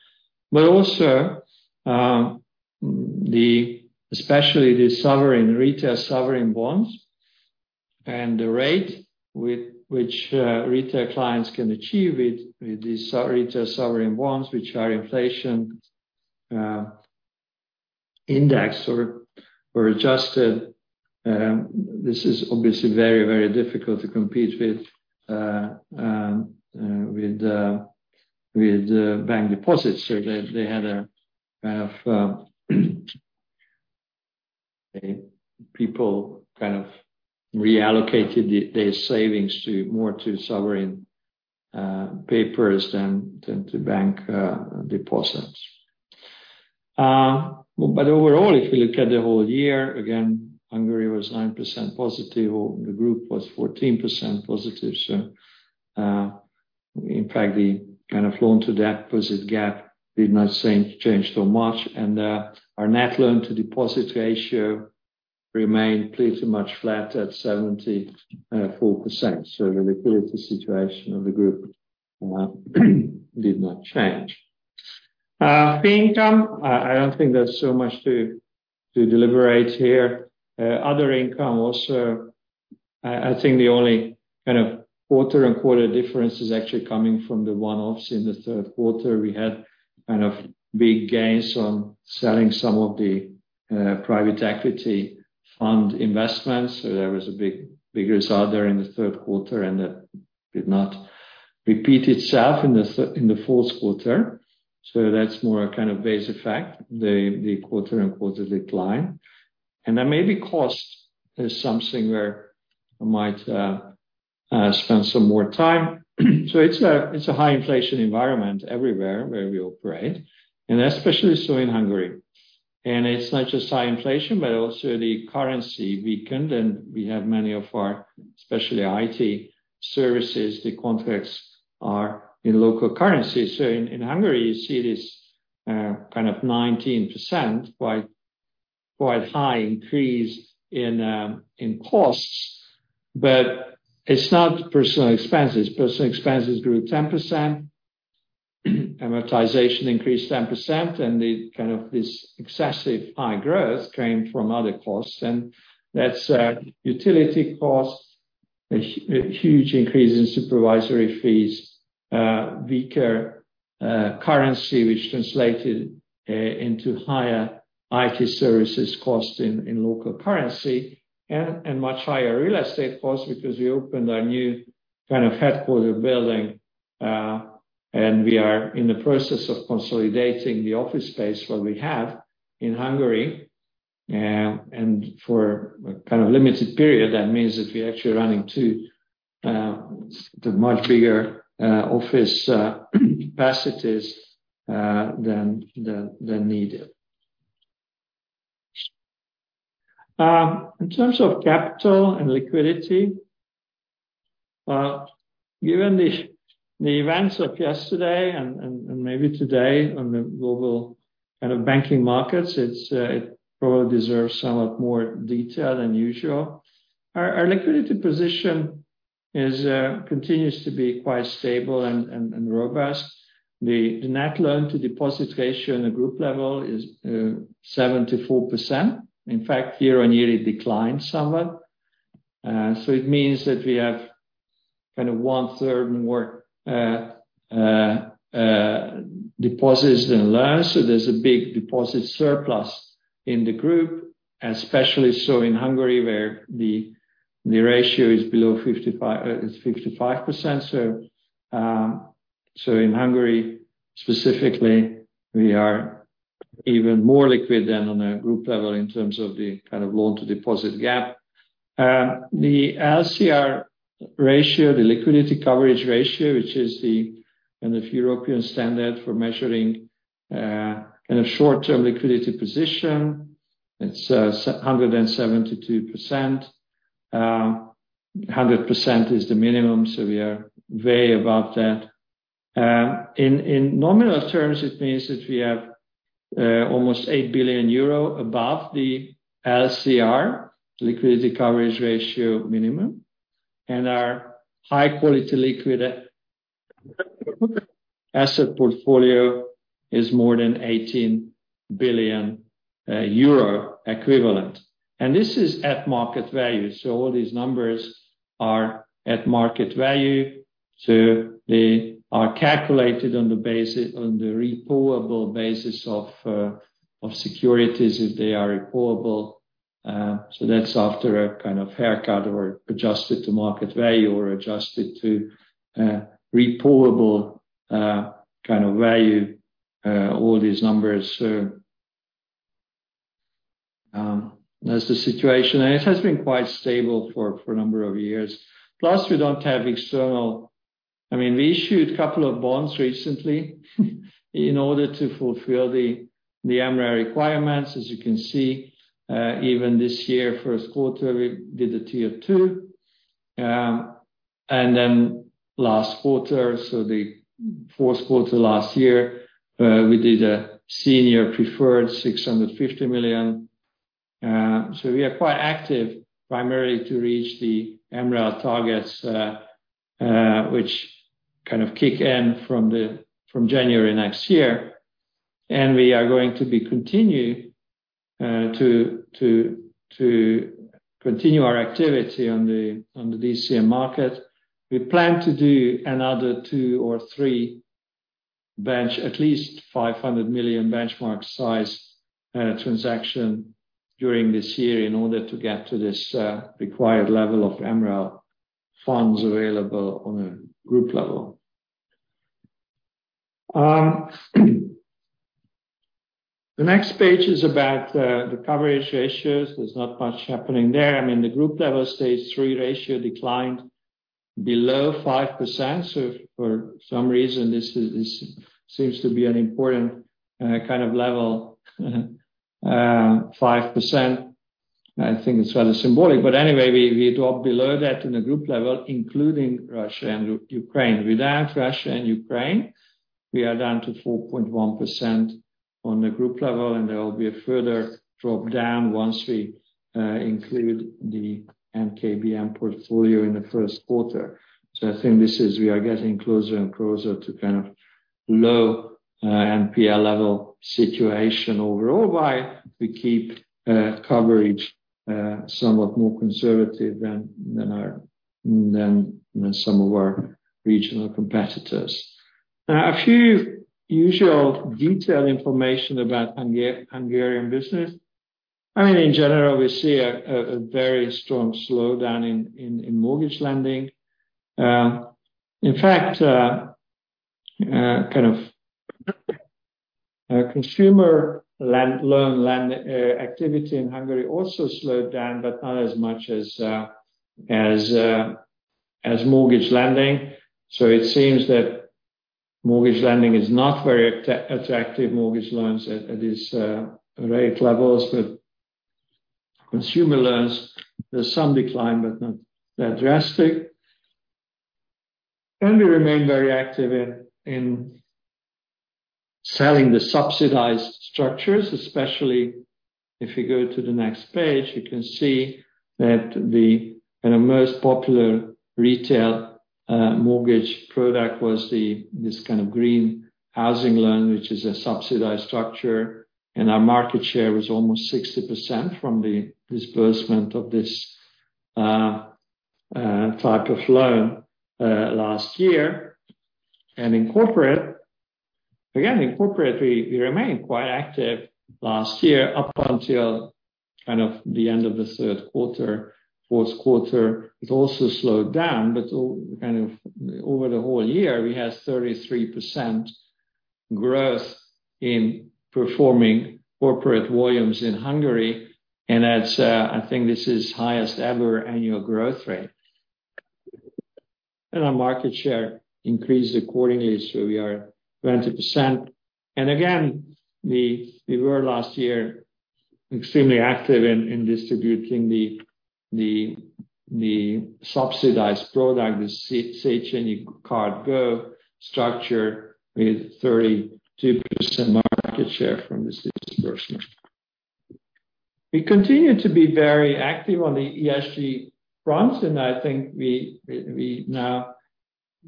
Also, the, especially the retail sovereign bonds and the rate with-which retail clients can achieve with these so-retail sovereign bonds, which are inflation, indexed or adjusted, this is obviously very, very difficult to compete with bank deposits. They had a kind of people kind of reallocated their savings to more to sovereign papers than to bank deposits. Overall, if you look at the whole year, again, Hungary was 9% positive or the group was 14% positive. In fact, the kind of loan to deposit gap did not seem to change so much. Our net loan to deposit ratio remained pretty much flat at 74%. The liquidity situation of the group did not change. Fee income, I don't think there's so much to deliberate here. Other income also, I think the only kind of quarter and quarter difference is actually coming from the one-offs in the third quarter. We had kind of big gains on selling some of the private equity fund investments. There was a big result there in the third quarter, and that did not repeat itself in the fourth quarter. That's more a kind of base effect, the quarter-over-quarter decline. Maybe cost is something where I might spend some more time. It's a high inflation environment everywhere where we operate, and especially so in Hungary. It's not just high inflation, but also the currency weakened, and we have many of our, especially IT services, the contracts are in local currency. In Hungary, you see this kind of 19%, quite high increase in costs, but it's not personal expenses. Personal expenses grew 10%, amortization increased 10%, and the kind of this excessive high growth came from other costs. That's utility costs, a huge increase in supervisory fees, weaker currency which translated into higher IT services cost in local currency, and much higher real estate costs because we opened a new kind of headquarter building. We are in the process of consolidating the office space what we have in Hungary. For kind of limited period, that means that we're actually running two, the much bigger office capacities than needed. In terms of capital and liquidity, given the events of yesterday and maybe today on the global kind of banking markets, it's, it probably deserves somewhat more detail than usual. Our liquidity position is continues to be quite stable and robust. The net loan to deposit ratio on the group level is 74%. In fact, year-over-year it declined somewhat. It means that we have kind of 1/3 more deposits than loans. There's a big deposit surplus in the group, especially so in Hungary, where the ratio is below 55%. In Hungary specifically, we are even more liquid than on a group level in terms of the kind of loan to deposit gap. The LCR ratio, the liquidity coverage ratio, which is the kind of European standard for measuring kind of short-term liquidity position. It's 172%. 100% is the minimum, we are way above that. In nominal terms, it means that we have almost 8 billion euro above the LCR, liquidity coverage ratio minimum, and our high-quality liquid asset portfolio is more than 18 billion euro equivalent. This is at market value, all these numbers are at market value. They are calculated on the repo-able basis of securities if they are repo-able. That's after a kind of haircut or adjusted to market value or adjusted to repo-able kind of value, all these numbers. That's the situation. Plus, it has been quite stable for a number of years. Plus, we don't have external... I mean, we issued couple of bonds recently in order to fulfill the MREL requirements. As you can see, even this year, first quarter, we did a tier two. Last quarter, so the fourth quarter last year, we did a senior preferred 650 million. We are quite active primarily to reach the MREL targets, which kind of kick in from January next year. We are going to continue our activity on the DCM market. We plan to do another two or three bench, at least 500 million benchmark size transaction during this year in order to get to this required level of MREL funds available on a group level. The next page is about the coverage ratios. There's not much happening there. I mean, the group level Stage three ratio declined below 5%. For some reason, this seems to be an important kind of level. Five percent, I think it's rather symbolic. Anyway, we dropped below that in the group level, including Russia and Ukraine. Without Russia and Ukraine, we are down to 4.1% on the group level, there will be a further drop down once we include the NKBM portfolio in the first quarter. I think this is we are getting closer and closer to kind of low NPL level situation overall, while we keep coverage somewhat more conservative than some of our regional competitors. A few usual detailed information about Hungarian business. I mean, in general, we see a very strong slowdown in mortgage lending. In fact, kind of consumer loan lend activity in Hungary also slowed down, but not as much as mortgage lending. It seems that mortgage lending is not very at-attractive mortgage loans at this rate levels. Consumer loans, there's some decline, but not that drastic. We remain very active in selling the subsidized structures, especially if you go to the next page, you can see that the kind of most popular retail mortgage product was this kind of green housing loan, which is a subsidized structure, and our market share was almost 60% from the disbursement of this type of loan last year. Again, in corporate, we remained quite active last year up until kind of the end of the third quarter. Fourth quarter, it also slowed down, but kind of over the whole year, we had 33%-Growth in performing corporate volumes in Hungary, and that's I think this is highest ever annual growth rate. Our market share increased accordingly, so we are 20%. Again, we were last year extremely active in distributing the, the subsidized product, the Széchenyi Card GO! structure with 32% market share from this disbursement. We continue to be very active on the ESG front, and I think we now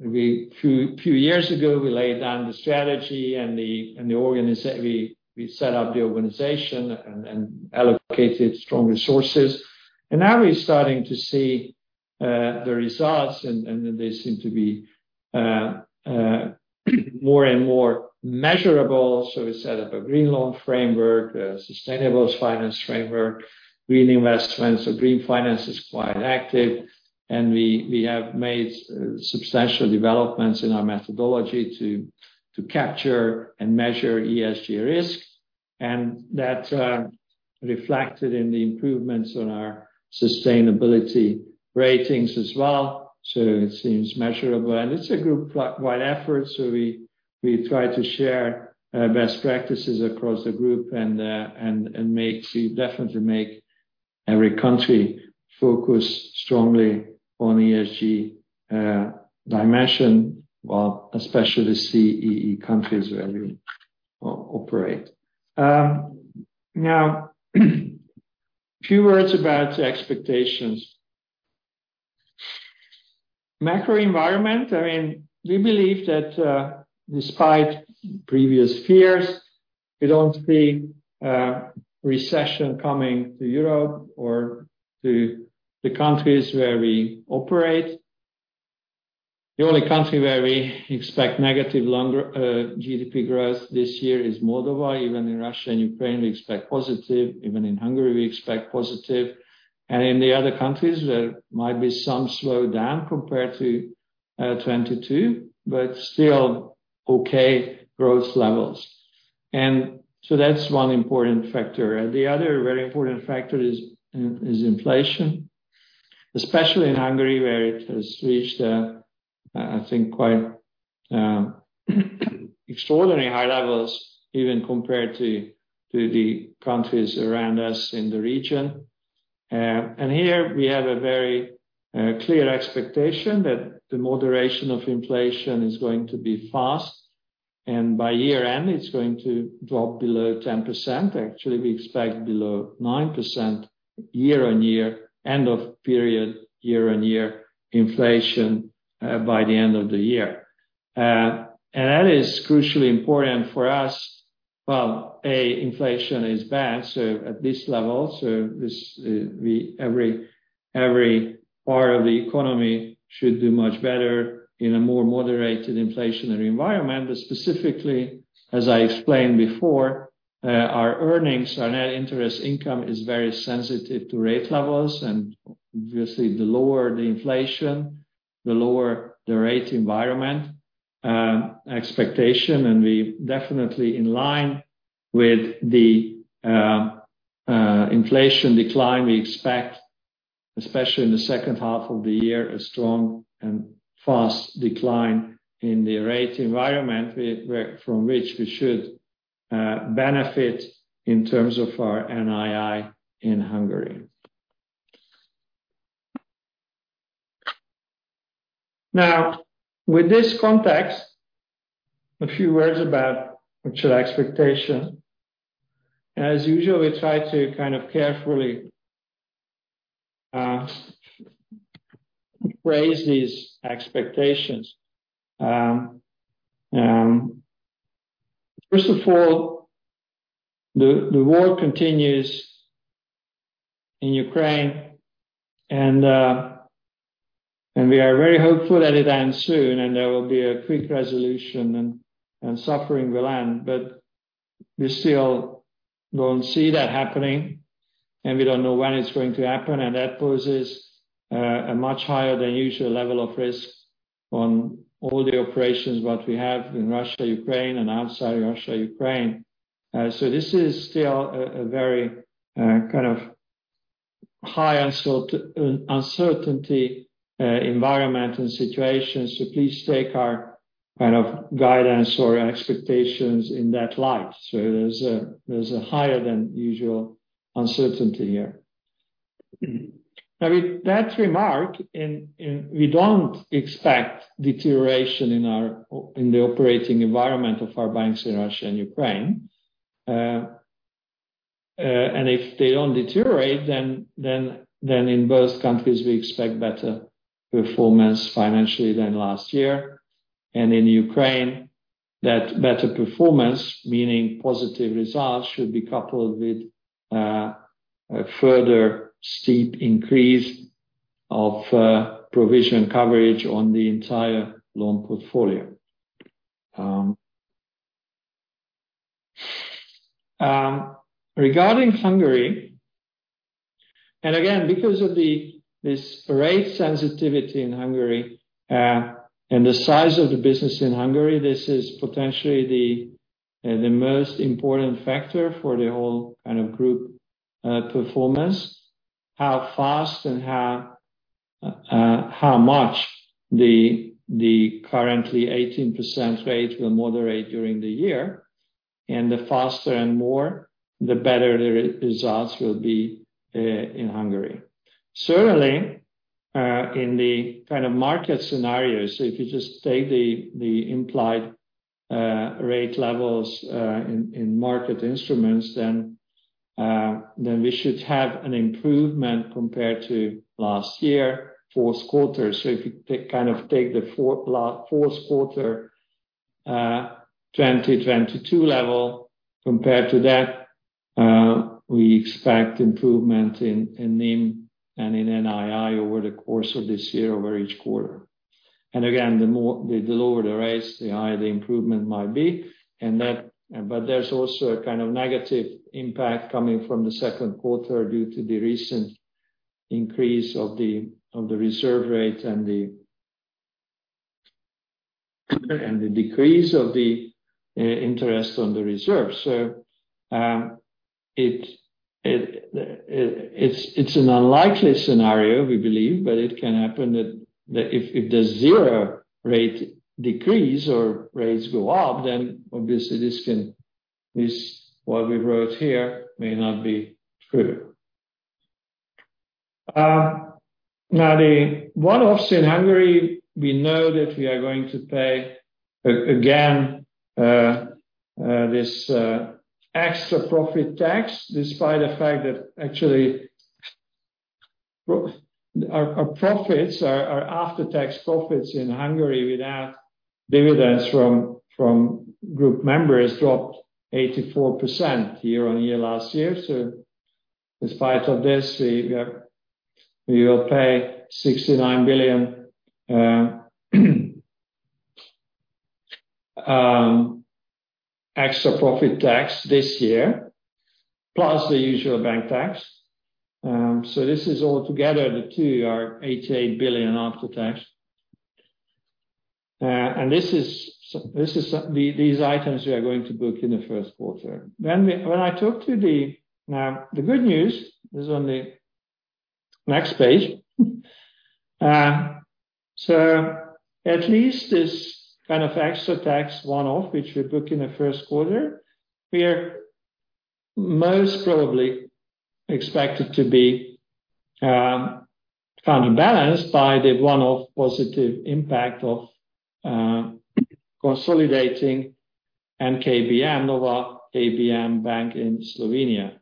few years ago, we laid down the strategy and the, and the organization we set up and allocated strong resources. Now we're starting to see the results and they seem to be more and more measurable. We set up a green loan framework, a sustainable finance framework, green investments. Green finance is quite active. We have made substantial developments in our methodology to capture and measure ESG risks. That reflected in the improvements on our sustainability ratings as well. It seems measurable. It's a group-wide effort, so we try to share best practices across the group and we definitely make every country focus strongly on ESG dimension, well, especially CEE countries where we operate. Now a few words about expectations. Macro environment, I mean, we believe that, despite previous fears, we don't see a recession coming to Europe or to the countries where we operate. The only country where we expect negative longer GDP growth this year is Moldova. Even in Russia and Ukraine, we expect positive. Even in Hungary, we expect positive. In the other countries, there might be some slowdown compared to 2022, but still okay growth levels. That's one important factor. The other very important factor is inflation, especially in Hungary, where it has reached, I think quite, extraordinary high levels even compared to the countries around us in the region. Here we have a very clear expectation that the moderation of inflation is going to be fast, and by year-end, it's going to drop below 10%. Actually, we expect below 9% year-on-year, end of period, year-on-year inflation, by the end of the year. That is crucially important for us. A, inflation is bad, so at this level, so this, every part of the economy should do much better in a more moderated inflationary environment. Specifically, as I explained before, our earnings, our net interest income is very sensitive to rate levels. Obviously, the lower the inflation, the lower the rate environment, expectation. We definitely in line with the inflation decline we expect, especially in the second half of the year, a strong and fast decline in the rate environment from which we should benefit in terms of our NII in Hungary. With this context, a few words about actual expectation. As usual, we try to kind of carefully raise these expectations. First of all, the war continues in Ukraine and we are very hopeful that it ends soon and there will be a quick resolution and suffering will end. We still don't see that happening, and we don't know when it's going to happen, and that poses a much higher than usual level of risk on all the operations what we have in Russia, Ukraine and outside Russia, Ukraine. This is still a very kind of high uncertainty environment and situation. Please take our kind of guidance or expectations in that light. There's a higher than usual uncertainty here. With that remark, we don't expect deterioration in our in the operating environment of our banks in Russia and Ukraine. If they don't deteriorate, then in both countries we expect better performance financially than last year. In Ukraine, that better performance, meaning positive results, should be coupled with a further steep increase of provision coverage on the entire loan portfolio. Regarding Hungary, again, because of this rate sensitivity in Hungary, and the size of the business in Hungary, this is potentially the most important factor for the whole kind of group performance. How fast and how much the currently 18% rate will moderate during the year. The faster and more, the better the results will be in Hungary. Certainly, in the kind of market scenarios, if you just take the implied rate levels in market instruments, then we should have an improvement compared to last year, fourth quarter. If you kind of take the fourth quarter 2022 level compared to that, we expect improvement in NIM and in NII over the course of this year, over each quarter. Again, the lower the rates, the higher the improvement might be. There's also a kind of negative impact coming from the second quarter due to the recent increase of the reserve rate and the decrease of the interest on the reserve. It's an unlikely scenario, we believe, but it can happen that if the zero rate decrease or rates go up, then obviously this, what we wrote here may not be true. Now the one-offs in Hungary, we know that we are going to pay again this extra profit tax, despite the fact that actually our profits, our after-tax profits in Hungary without dividends from group members dropped 84% year-over-year last year. Despite of this, we will pay 69 billion extra profit tax this year, plus the usual bank tax. This is all together, the two are 88 billion after tax. These items we are going to book in the first quarter. When I talk to the good news is on the next page. At least this kind of extra tax one-off, which we book in the first quarter, we are most probably expected to be kind of balanced by the one-off positive impact of consolidating NKBM, Nova KBM Bank in Slovenia.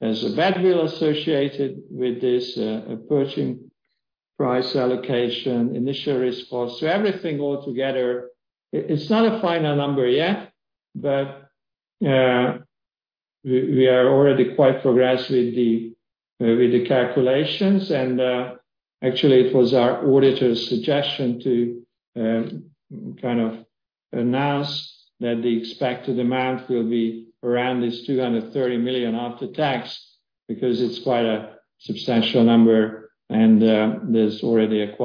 There's a badwill associated with this approaching price allocation, initial risk cost. Everything all together, it's not a final number yet, but we are already quite progressed with the calculations. Actually, it was our auditor's suggestion to announce that the expected amount will be around 230 million after tax, because it's quite a substantial number and there's already a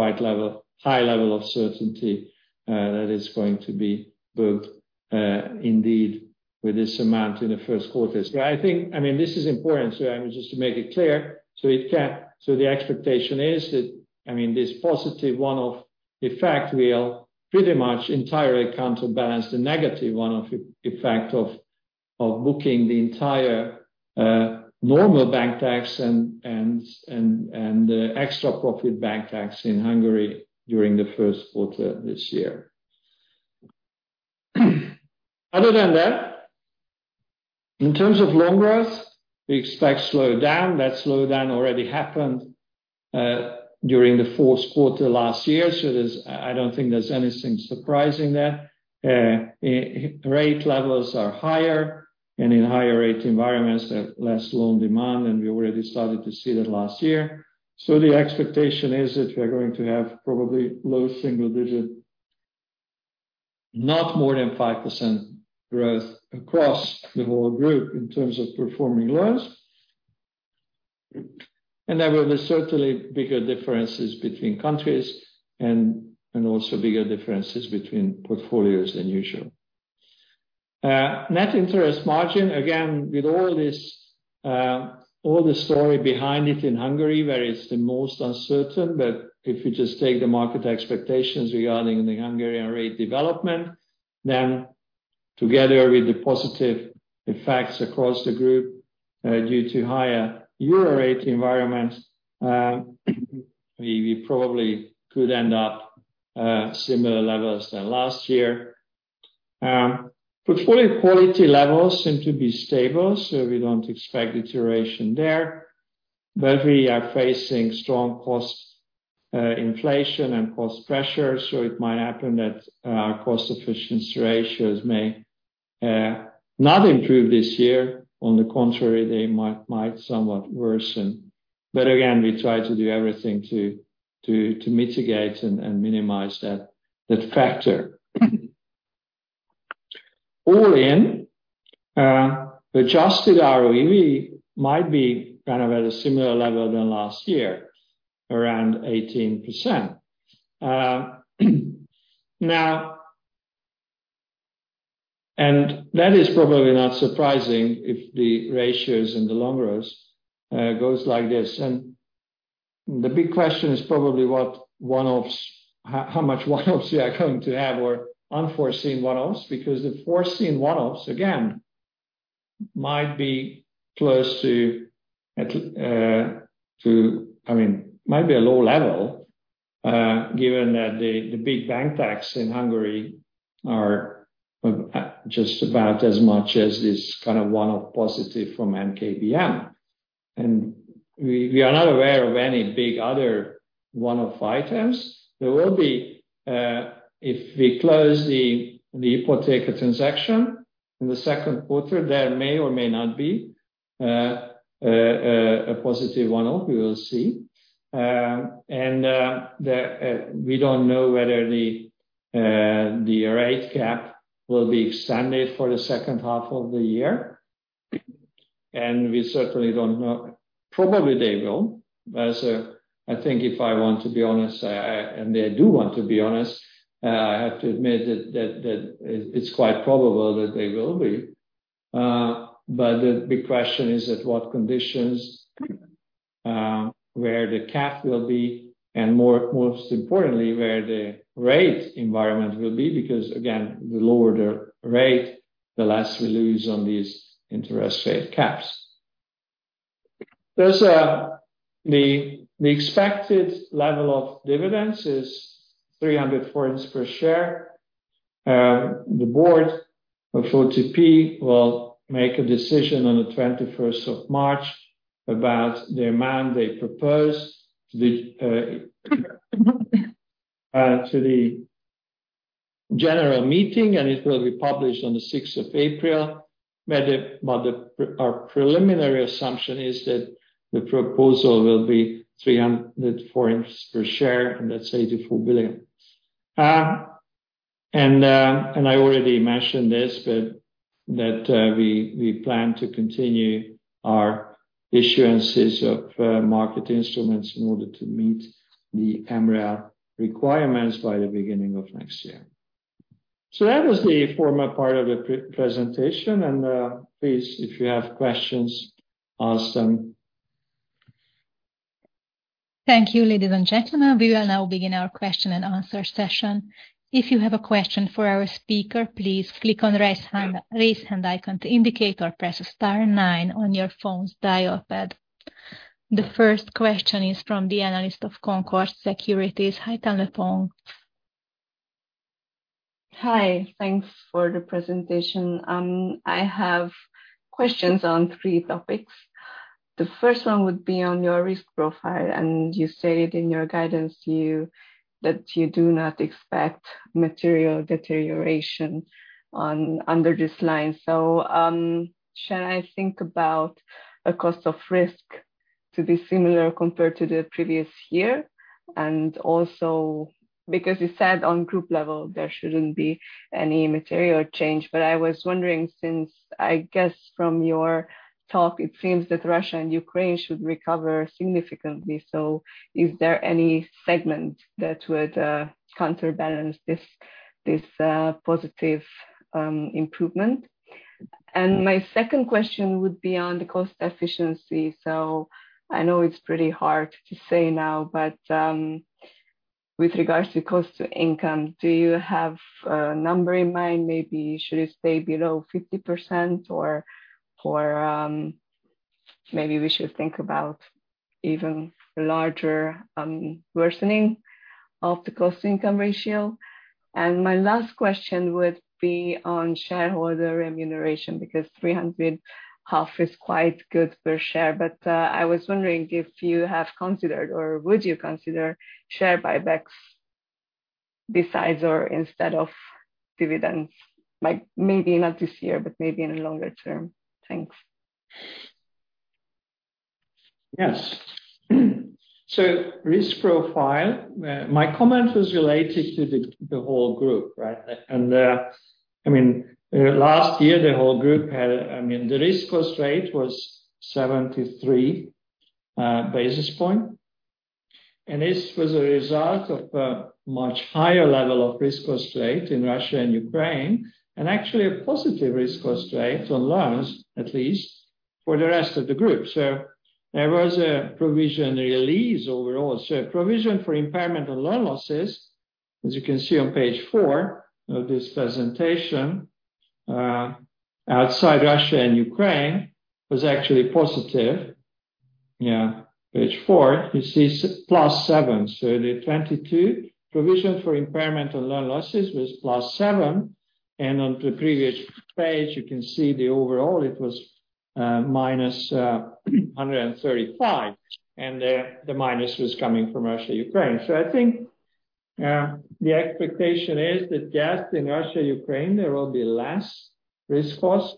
high level of certainty that is going to be booked indeed with this amount in the first quarters. This is important, just to make it clear, the expectation is that this positive one-off effect will pretty much entirely counterbalance the negative one-off effect of booking the entire normal bank tax and extra profit bank tax in Hungary during the first quarter this year. In terms of loan growth, we expect slowdown. That slowdown already happened during the fourth quarter last year. I don't think there's anything surprising there. Rate levels are higher, in higher rate environments there are less loan demand, and we already started to see that last year. The expectation is that we are going to have probably low single digit, not more than 5% growth across the whole group in terms of performing loans. There will be certainly bigger differences between countries and also bigger differences between portfolios than usual. Net interest margin, again, with all this, all the story behind it in Hungary, where it's the most uncertain. If you just take the market expectations regarding the Hungarian rate development, then together with the positive effects across the group, due to higher euro rate environments, we probably could end up similar levels than last year. Portfolio quality levels seem to be stable, so we don't expect iteration there. We are facing strong cost inflation and cost pressure, so it might happen that our cost efficiency ratios may not improve this year. On the contrary, they might somewhat worsen. Again, we try to do everything to mitigate and minimize that factor. All in, adjusted ROE might be kind of at a similar level than last year, around 18%. Now, that is probably not surprising if the ratios and the loan growth goes like this. The big question is probably what one-offs, how much one-offs we are going to have or unforeseen one-offs because the foreseen one-offs again might be close to to... I mean, might be a low level, given that the big bank tax in Hungary are just about as much as this kind of one-off positive from NKBM. We are not aware of any big other one-off items. There will be, if we close the Ipoteka transaction in the second quarter, there may or may not be a positive one-off. We will see. We don't know whether the rate cap will be extended for the second half of the year. We certainly don't know. Probably they will. I think if I want to be honest, and I do want to be honest, I have to admit that it's quite probable that they will be. But the big question is at what conditions, where the cap will be, and most importantly, where the rate environment will be because again, the lower the rate, the less we lose on these interest rate caps. There's the expected level of dividends is 300 forints per share. The board of OTP will make a decision on the March 21st about the amount they propose to the general meeting, and it will be published on the April 6th. Our preliminary assumption is that the proposal will be 300 per share, and that's 84 billion. I already mentioned this, but that we plan to continue our issuances of market instruments in order to meet the MREL requirements by the beginning of next year. That was the formal part of the pre-presentation, and, please, if you have questions, ask them. Thank you, ladies and gentlemen. We will now begin our question and answer session. If you have a question for our speaker, please click on raise hand icon to indicate or press star nine on your phone's dial pad. The first question is from the analyst of Concorde Securities. Hi, Táncsi. Hi. Thanks for the presentation. I have questions on three topics. The first one would be on your risk profile, you said in your guidance that you do not expect material deterioration on under this line. Should I think about the cost of risk to be similar compared to the previous year? Also because you said on group level there shouldn't be any material change. I was wondering since I guess from your talk, it seems that Russia and Ukraine should recover significantly. Is there any segment that would counterbalance this positive improvement? My second question would be on the cost efficiency. I know it's pretty hard to say now, but with regards to cost to income, do you have a number in mind? Maybe should it stay below 50% or maybe we should think about even larger worsening of the cost-income ratio? My last question would be on shareholder remuneration, because 300 is quite good per share. I was wondering if you have considered or would you consider share buybacks besides or instead of dividends? Maybe not this year, but maybe in the longer term. Thanks. Risk profile, my comment was related to the whole group, right? I mean, last year the whole group had, I mean, the risk cost rate was 73 basis points. This was a result of a much higher level of risk cost rate in Russia and Ukraine, and actually a positive risk cost rate on loans, at least for the rest of the group. There was a provision release overall. Provision for impairment and loan losses, as you can see on page four of this presentation, outside Russia and Ukraine was actually positive. Page four, you see +7. The 2022 provision for impairment and loan losses was +7. On the previous page you can see the overall it was -135, and the minus was coming from Russia, Ukraine. Yeah. The expectation is that gas in Russia, Ukraine, there will be less risk cost.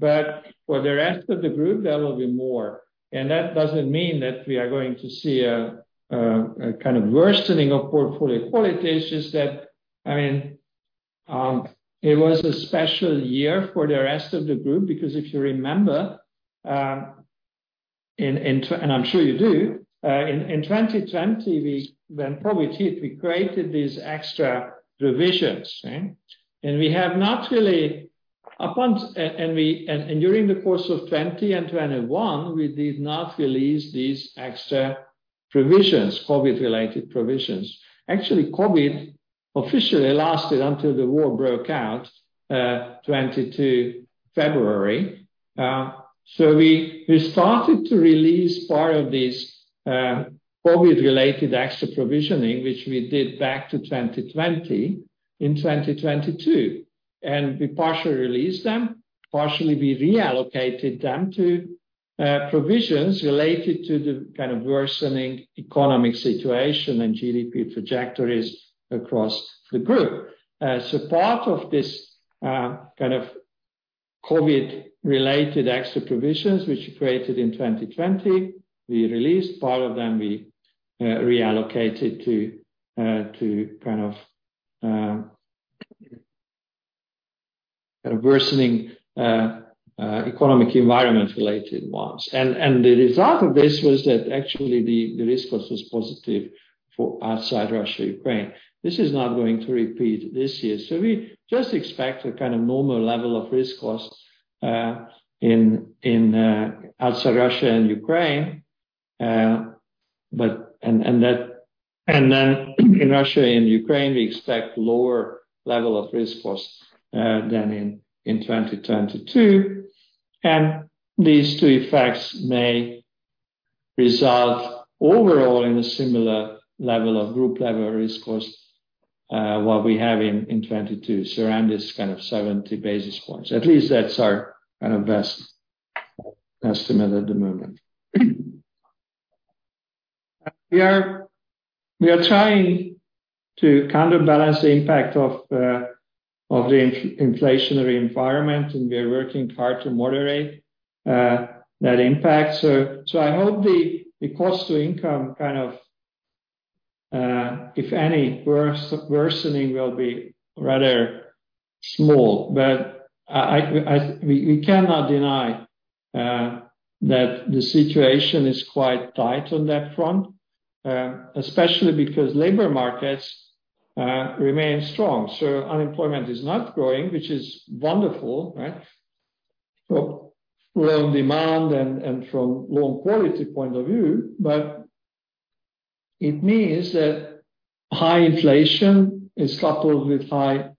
For the rest of the group, there will be more. That doesn't mean that we are going to see a kind of worsening of portfolio quality. It's just that, I mean, it was a special year for the rest of the group because if you remember, and I'm sure you do, in 2020, when probably teeth, we created these extra provisions, right? During the course of 2020 and 2021, we did not release these extra provisions, COVID-related provisions. Actually, COVID officially lasted until the war broke out, 2022 February. We started to release part of these COVID-related extra provisioning, which we did back to 2020 in 2022. And we partially released them. Partially, we reallocated them to provisions related to the kind of worsening economic situation and GDP trajectories across the group. So part of this kind of COVID-related extra provisions which we created in 2020, we released. Part of them we reallocated to to kind of kind of worsening economic environment related ones. And the result of this was that actually the the risk was was positive for outside Russia, Ukraine. This is not going to repeat this year. So we just expect a kind of normal level of risk cost in outside Russia and Ukraine. But... In Russia and Ukraine, we expect lower level of risk cost than in 2022. These two effects may resolve overall in a similar level of group level risk cost what we have in 2022. Around this kind of 70 basis points. At least that's our kind of best estimate at the moment. We are trying to counterbalance the impact of the inflationary environment, and we are working hard to moderate that impact. I hope the cost to income kind of if any worsening will be rather small. We cannot deny that the situation is quite tight on that front, especially because labor markets remain strong. Unemployment is not growing, which is wonderful, right? From loan demand and from loan quality point of view. It means that high inflation is coupled with high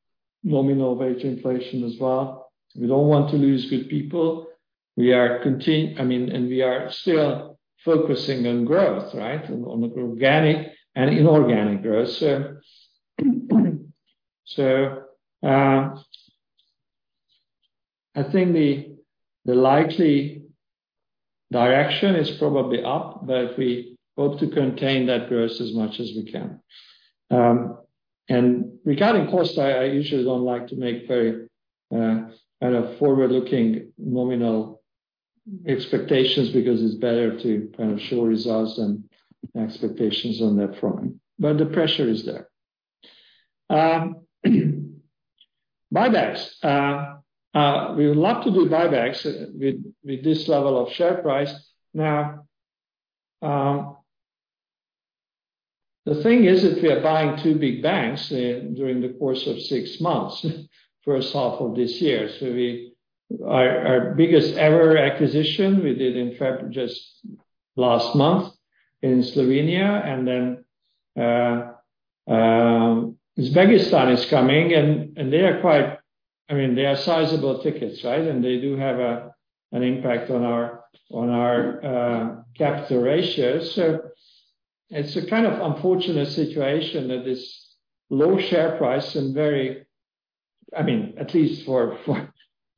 nominal wage inflation as well. We don't want to lose good people. I mean, and we are still focusing on growth, right? On organic and inorganic growth. I think the likely direction is probably up, but we hope to contain that growth as much as we can. Regarding cost, I usually don't like to make very kind of forward-looking nominal expectations because it's better to kind of show results than expectations on that front. The pressure is there. Buybacks. We would love to do buybacks with this level of share price. Now, the thing is that we are buying two big banks during the course of six months first half of this year. Our biggest ever acquisition we did just last month in Slovenia. Then Uzbekistan is coming and they are quite. I mean, they are sizable tickets, right? They do have an impact on our capital ratios. It's a kind of unfortunate situation that this low share price and very, I mean, at least for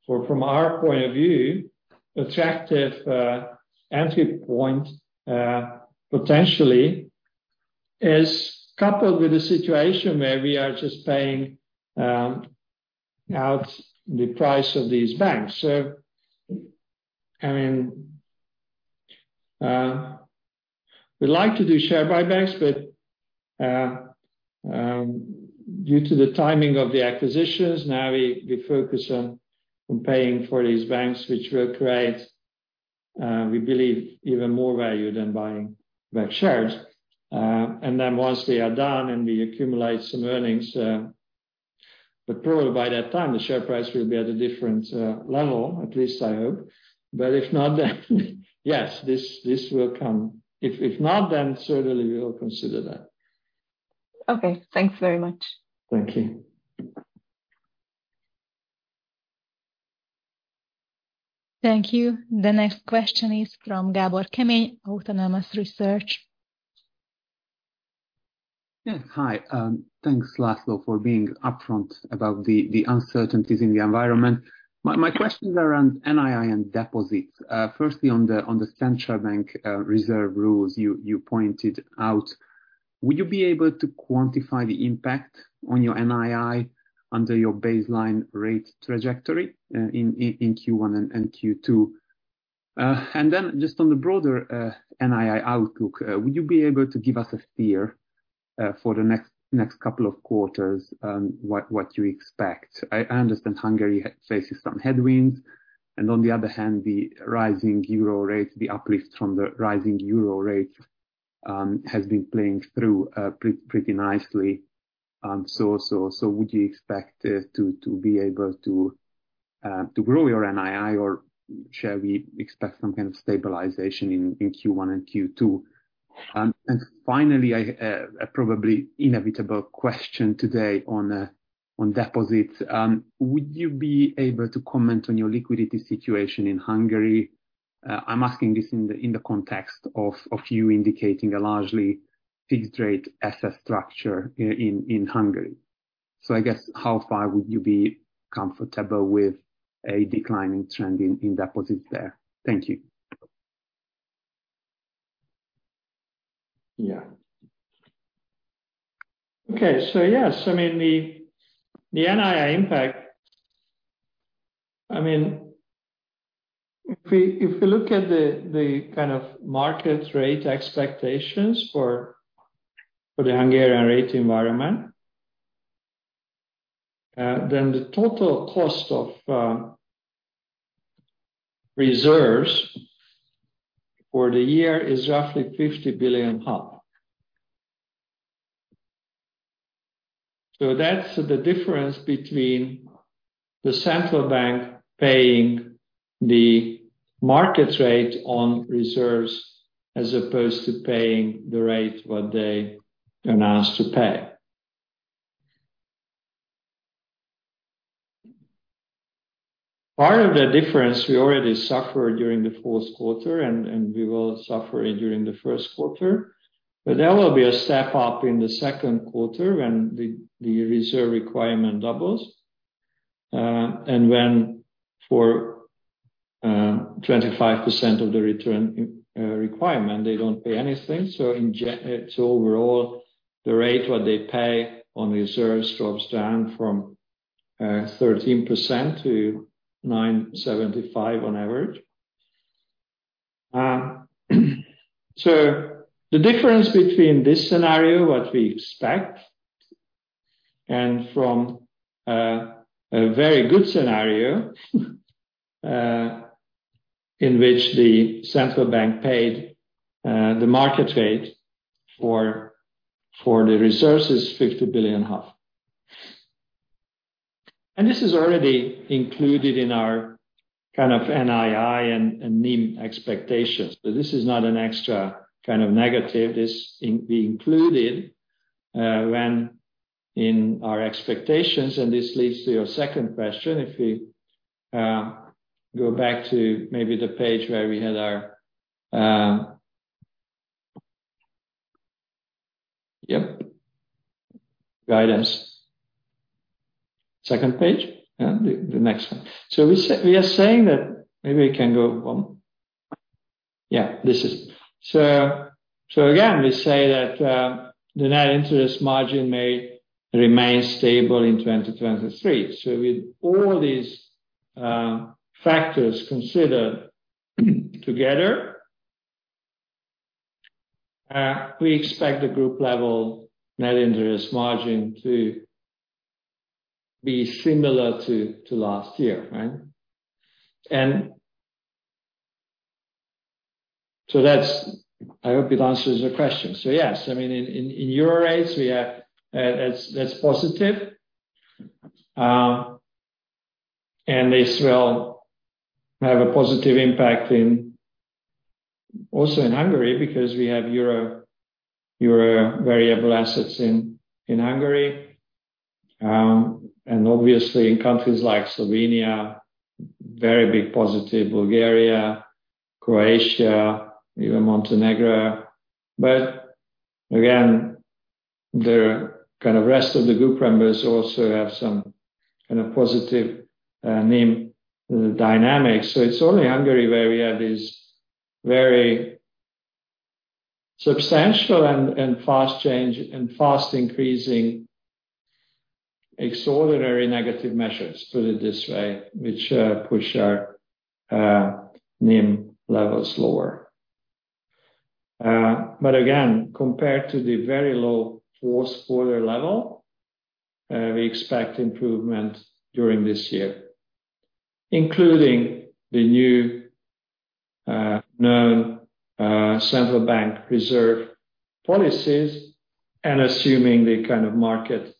from our point of view, attractive entry point potentially is coupled with a situation where we are just paying out the price of these banks. I mean, we like to do share buybacks, but due to the timing of the acquisitions, now we focus on paying for these banks, which will create, we believe even more value than buying back shares. And then once they are done and we accumulate some earnings. Probably by that time, the share price will be at a different level, at least I hope. If not, then yes, this will come. If not, then certainly we will consider that. Okay. Thanks very much. Thank you. Thank you. The next question is from Gábor Kemény, Autonomous Research. Yes. Hi. Thanks, László, for being upfront about the uncertainties in the environment. My questions are on NII and deposits. Firstly, on the central bank reserve rules, you pointed out. Would you be able to quantify the impact on your NII under your baseline rate trajectory in Q1 and Q2? Just on the broader NII outlook, would you be able to give us a steer for the next couple of quarters on what you expect? I understand Hungary faces some headwinds and on the other hand, the rising euro rate, the uplift from the rising euro rate has been playing through pretty nicely. Would you expect to be able to grow your NII or shall we expect some kind of stabilization in Q1 and Q2? Finally, I a probably inevitable question today on deposits. Would you be able to comment on your liquidity situation in Hungary? I'm asking this in the context of you indicating a largely fixed rate asset structure in Hungary. I guess how far would you be comfortable with a declining trend in deposits there? Thank you. Yeah. Okay. Yes, I mean, the NII impact, I mean, if we look at the kind of market rate expectations for the Hungarian rate environment, then the total cost of reserves for the year is roughly HUF 50 billion. That's the difference between the central bank paying the market rate on reserves as opposed to paying the rate what they announced to pay. Part of the difference we already suffered during the fourth quarter and we will suffer it during the first quarter. There will be a step up in the second quarter when the reserve requirement doubles and when for 25% of the return requirement, they don't pay anything. Overall, the rate what they pay on reserves drops down from 13%-9.75% on average. The difference between this scenario, what we expect, and from a very good scenario, in which the central bank paid the market rate for the reserves is 50 billion. This is already included in our kind of NII and NIM expectations. This is not an extra kind of negative. This in-included when in our expectations, and this leads to your second question. If we go back to maybe the page where we had our Yep. Guidance. Second page. Yeah, the next one. We are saying that maybe we can go one. Yeah, this is. Again, we say that the net interest margin may remain stable in 2023. With all these factors considered together, we expect the group level net interest margin to be similar to last year, right? I hope it answers your question. Yes, I mean, in euro rates we have that's positive. This will have a positive impact in also in Hungary because we have euro variable assets in Hungary. Obviously in countries like Slovenia, very big positive. Bulgaria, Croatia, even Montenegro. Again, the kind of rest of the group members also have some kind of positive NIM dynamics. It's only Hungary where we have these very substantial and fast change and fast increasing extraordinary negative measures, put it this way, which push our NIM levels lower. Again, compared to the very low fourth quarter level, we expect improvement during this year, including the new, known, central bank reserve policies and assuming the kind of market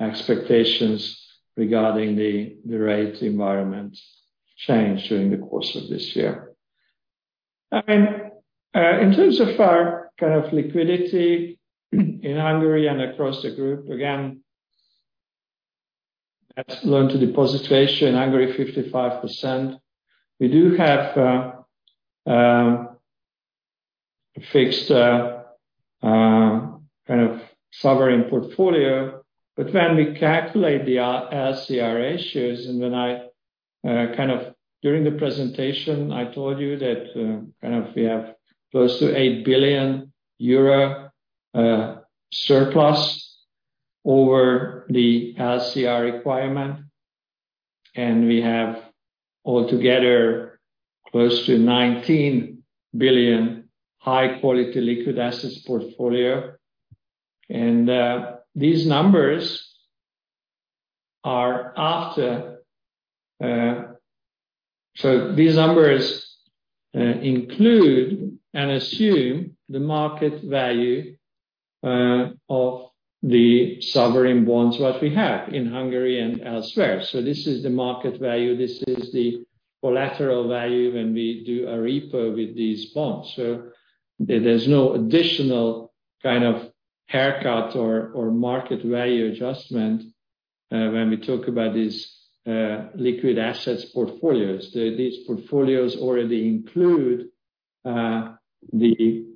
expectations regarding the rate environment change during the course of this year. In terms of our kind of liquidity in Hungary and across the group, again, that's loan to deposit ratio in Hungary, 55%. We do have fixed kind of sovereign portfolio, when we calculate the LCR ratios and when during the presentation, I told you that we have close to 8 billion euro surplus over the LCR requirement, and we have altogether close to 19 billion high-quality liquid assets portfolio. These numbers are after. These numbers include and assume the market value of the sovereign bonds, what we have in Hungary and elsewhere. This is the market value, this is the collateral value when we do a repo with these bonds. There's no additional kind of haircut or market value adjustment when we talk about these liquid assets portfolios. These portfolios already include the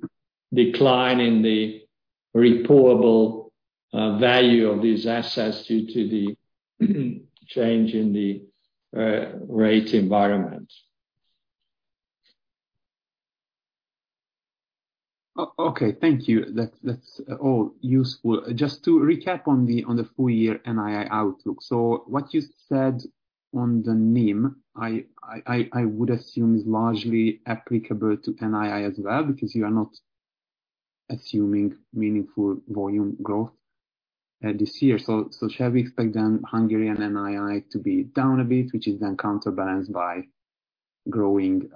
decline in the reportable value of these assets due to the change in the rate environment. Okay. Thank you. That's all useful. Just to recap on the full year NII outlook. What you said on the NIM, I would assume is largely applicable to NII as well, because you are not assuming meaningful volume growth this year. Shall we expect then Hungarian NII to be down a bit, which is then counterbalanced by growing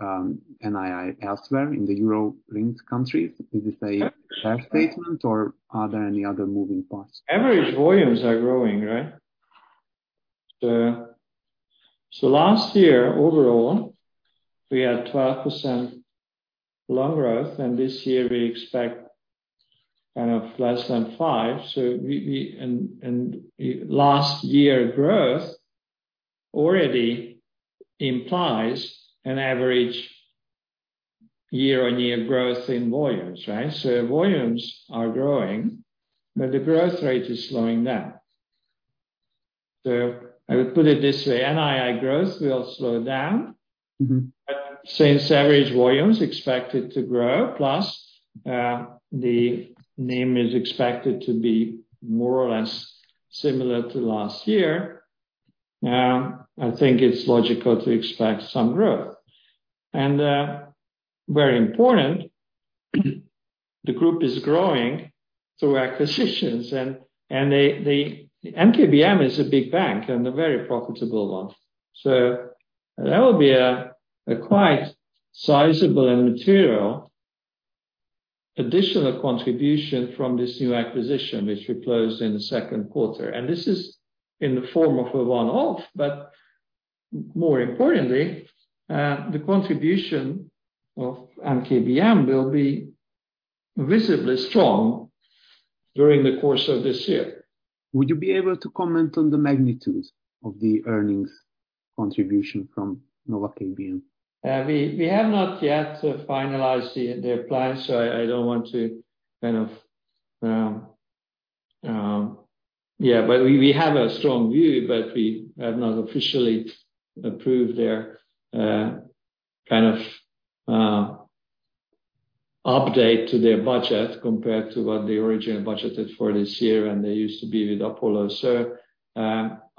NII elsewhere in the euro-linked countries? Is this a fair statement or are there any other moving parts? Average volumes are growing, right? last year overall, we had 12% loan growth, this year we expect kind of less than 5%. last year growth already implies an average year-on-year growth in volumes, right? volumes are growing, but the growth rate is slowing down. I would put it this way, NII growth will slow down. Mm-hmm. Since average volume is expected to grow, plus, the NIM is expected to be more or less similar to last year, I think it's logical to expect some growth. Very important, the group is growing through acquisitions and, NKBM is a big bank and a very profitable one. That will be a quite sizable and material additional contribution from this new acquisition, which we closed in the second quarter. This is in the form of a one-off. More importantly, the contribution of NKBM will be visibly strong during the course of this year. Would you be able to comment on the magnitude of the earnings contribution from Nova KBM? We have not yet finalized the plan, so I don't want to kind of. We have a strong view, but we have not officially approved their kind of update to their budget compared to what they originally budgeted for this year when they used to be with Apollo.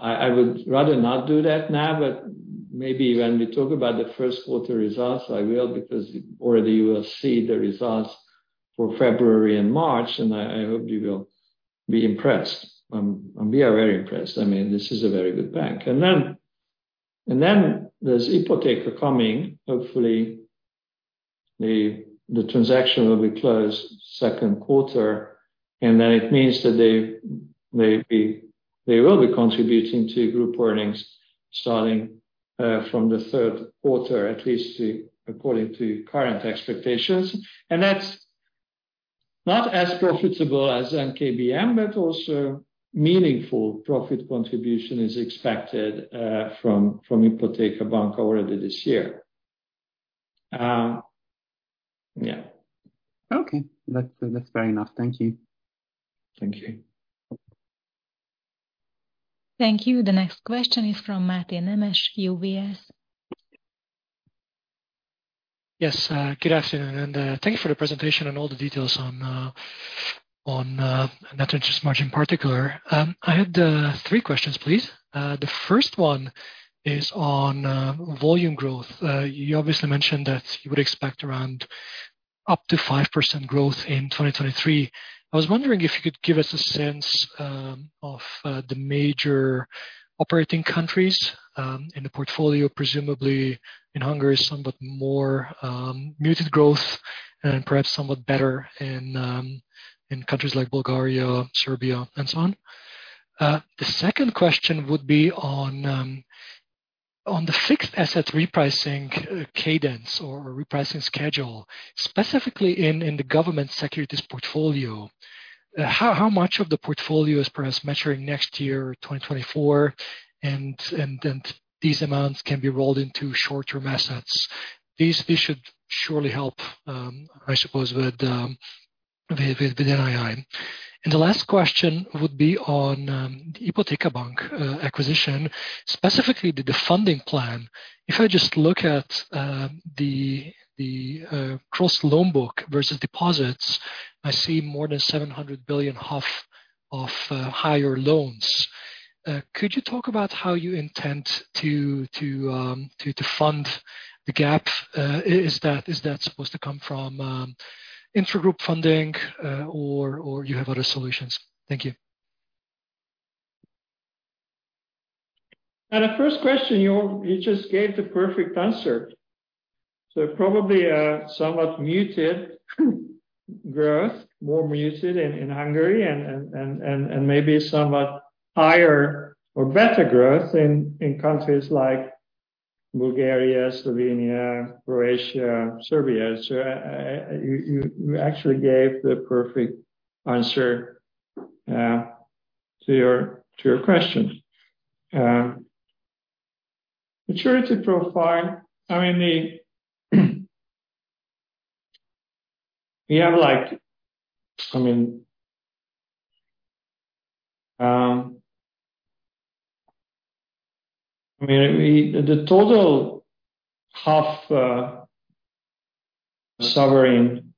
I would rather not do that now, but maybe when we talk about the first quarter results, I will, because already you will see the results for February and March, and I hope you will be impressed. We are very impressed. I mean, this is a very good bank. Then there's Ipoteka coming. Hopefully, the transaction will be closed second quarter. Then it means that they will be contributing to group earnings starting from the third quarter, at least according to current expectations. That's not as profitable as NKBM, but also meaningful profit contribution is expected from Ipoteka Bank already this year. Okay. That's fair enough. Thank you. Thank you. Thank you. The next question is from Máté Nemes, UBS. Yes. Good afternoon, thank you for the presentation and all the details on net interest margin in particular. I had three questions, please. The first one is on volume growth. You obviously mentioned that you would expect around up to 5% growth in 2023. I was wondering if you could give us a sense of the major operating countries in the portfolio, presumably in Hungary, somewhat more muted growth and perhaps somewhat better in countries like Bulgaria, Serbia, and so on. The second question would be on on the fixed asset repricing cadence or repricing schedule, specifically in the government securities portfolio. How much of the portfolio is perhaps maturing next year, 2024, and these amounts can be rolled into short-term assets. These should surely help, I suppose, but With NII. The last question would be on the Ipoteka Bank acquisition, specifically the defunding plan. If I just look at the cross loan book versus deposits, I see more than 700 billion of higher loans. Could you talk about how you intend to fund the gap? Is that supposed to come from intragroup funding, or you have other solutions? Thank you. The first question, you just gave the perfect answer. Probably a somewhat muted growth, more muted in Hungary and maybe somewhat higher or better growth in countries like Bulgaria, Slovenia, Croatia, Serbia. You actually gave the perfect answer to your question. Maturity profile, I mean, the total sovereign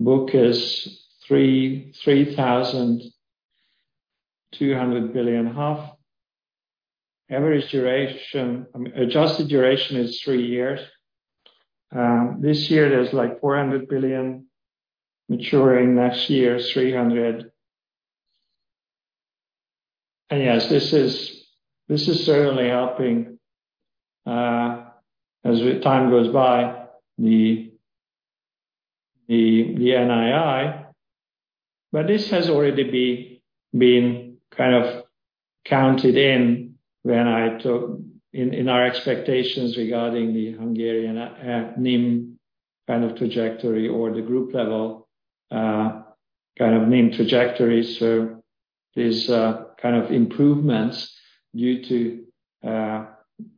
book is 3,200 billion. Average duration, I mean adjusted duration is three years. This year there's 400 billion maturing, next year 300 billion. Yes, this is certainly helping as time goes by the NII. This has already been kind of counted in when I took in our expectations regarding the Hungarian NIM kind of trajectory or the group level kind of NIM trajectory. There's kind of improvements due to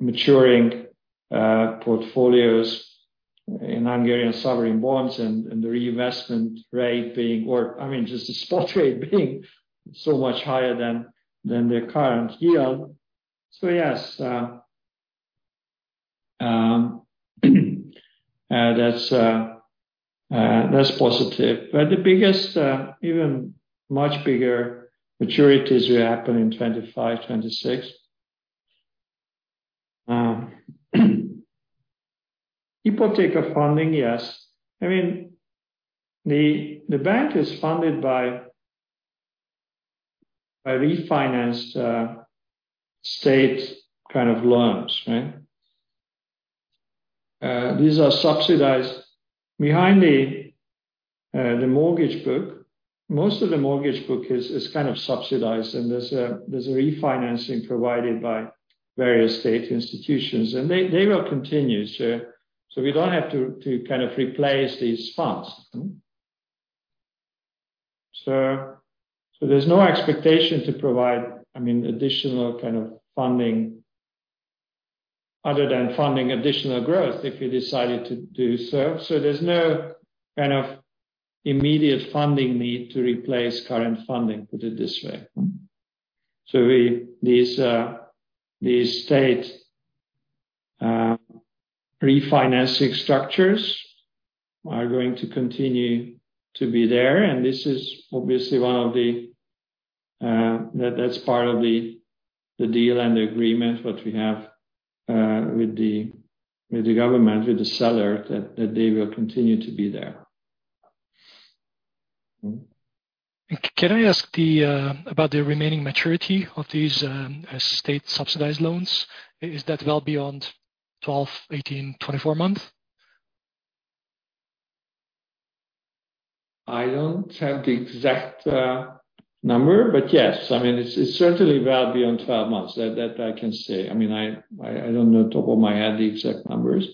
maturing portfolios in Hungarian sovereign bonds and the reinvestment rate being or, I mean, just the spot rate being so much higher than the current yield. Yes, that's positive. The biggest even much bigger maturities will happen in 25, 26. Ipoteka funding, yes. I mean, the bank is funded by refinanced state kind of loans, right? These are subsidized. Behind the mortgage book, most of the mortgage book is kind of subsidized, and there's a refinancing provided by various state institutions, and they will continue. We don't have to kind of replace these funds. there's no expectation to provide, I mean, additional kind of funding other than funding additional growth if you decided to do so. there's no kind of immediate funding need to replace current funding, put it this way. we these state refinancing structures are going to continue to be there, and this is obviously one of the that's part of the deal and the agreement what we have with the government, with the seller that they will continue to be there. Can I ask the about the remaining maturity of these state-subsidized loans? Is that well beyond 12, 18, 24 months? I don't have the exact number, but yes. I mean, it's certainly well beyond 12 months. That I can say. I mean, I don't know top of my head the exact numbers,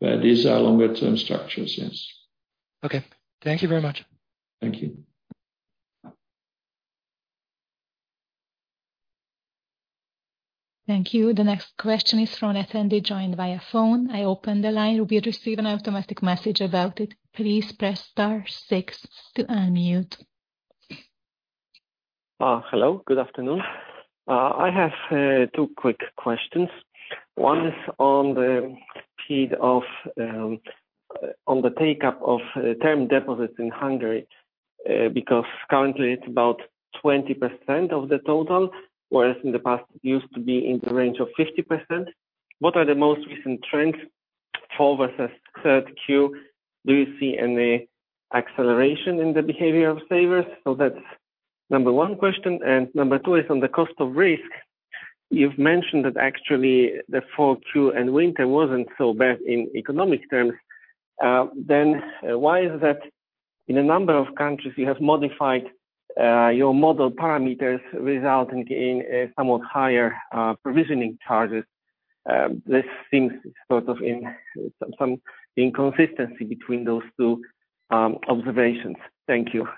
but these are longer-term structures, yes. Okay. Thank you very much. Thank you. Thank you. The next question is from an attendee joined via phone. I open the line. You will receive an automatic message about it. Please press star six to unmute. Hello. Good afternoon. I have two quick questions. One is on the speed of on the take-up of term deposits in Hungary, because currently it's about 20% of the total, whereas in the past it used to be in the range of 50%. What are the most recent trends for versus 3Q? Do you see any acceleration in the behavior of savers? That's number one question. Number two is on the cost of risk. You've mentioned that actually the fall, Q and winter wasn't so bad in economic terms. Why is it that in a number of countries you have modified your model parameters resulting in a somewhat higher provisioning charges? This seems sort of in some inconsistency between those two observations. Thank you.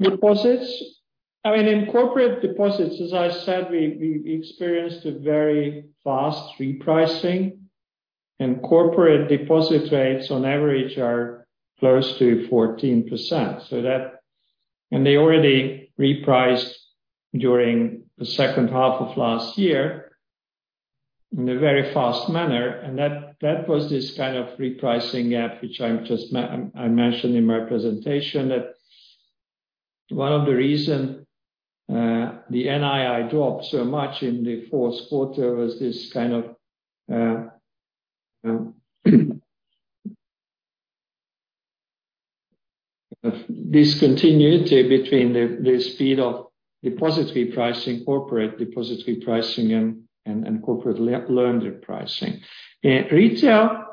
Deposits. I mean, in corporate deposits, as I said, we experienced a very fast repricing. Corporate deposit rates on average are close to 14%, so that. They already repriced during the second half of last year in a very fast manner. That was this kind of repricing gap which I just mentioned in my presentation. One of the reason the NII dropped so much in the fourth quarter was this kind of discontinuity between the speed of deposit repricing, corporate deposit repricing and corporate loan repricing. In retail,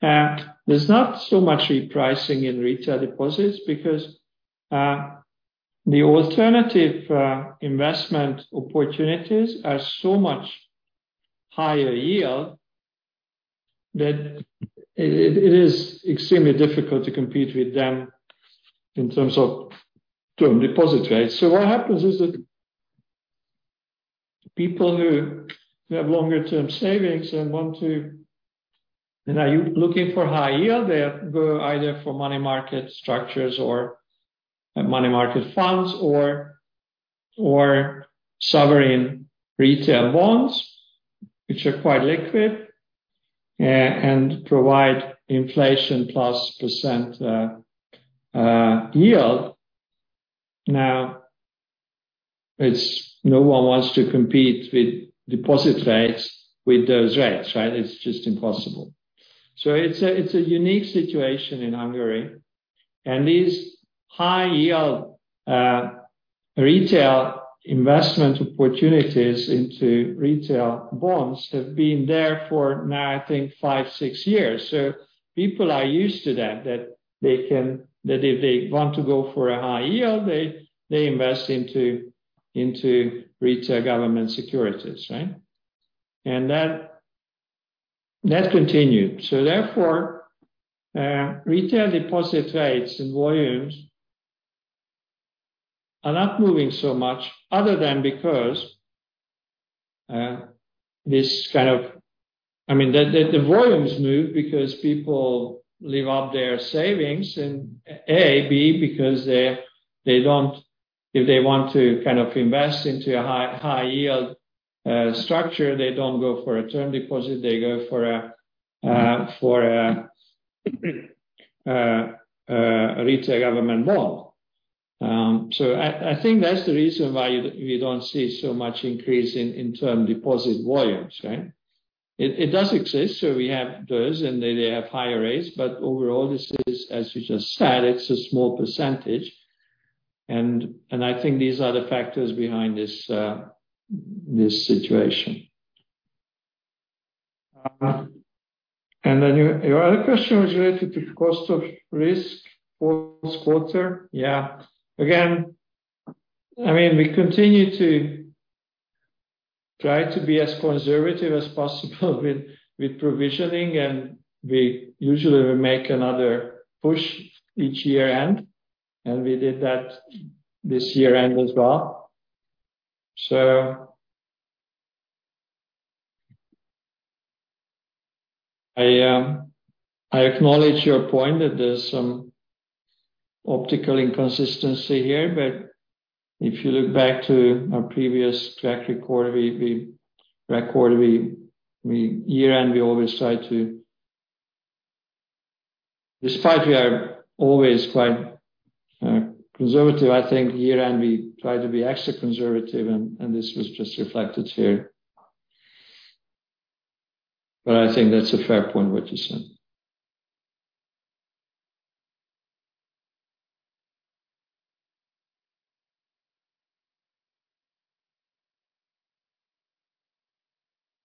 there's not so much repricing in retail deposits because the alternative investment opportunities are so much higher yield that it is extremely difficult to compete with them in terms of term deposit rates. What happens is that people who have longer term savings and are you looking for high yield, they go either for money market structures or money market funds or sovereign retail bonds, which are quite liquid and provide inflation plus % yield. It's no one wants to compete with deposit rates with those rates, right? It's just impossible. It's a, it's a unique situation in Hungary, and these high yield retail investment opportunities into retail bonds have been there for now, I think five, six years. People are used to that if they want to go for a high yield, they invest into retail government securities, right? That continued. Therefore, retail deposit rates and volumes are not moving so much other than because this kind of... I mean the volumes move because people live up their savings and A. B, because they don't. If they want to kind of invest into a high yield structure, they don't go for a term deposit. They go for a retail government bond. I think that's the reason why you don't see so much increase in term deposit volumes, right? It does exist. We have those, and they have higher rates. Overall, this is, as you just said, it's a small percentage. I think these are the factors behind this situation. Then your other question was related to cost of risk fourth quarter. Yeah. I mean, we continue to try to be as conservative as possible with provisioning, and we usually make another push each year-end, and we did that this year-end as well. I acknowledge your point that there's some optical inconsistency here, but if you look back to our previous track record, year-end we always try to. Despite we are always quite conservative, I think year-end we try to be extra conservative and this was just reflected here. I think that's a fair point what you said.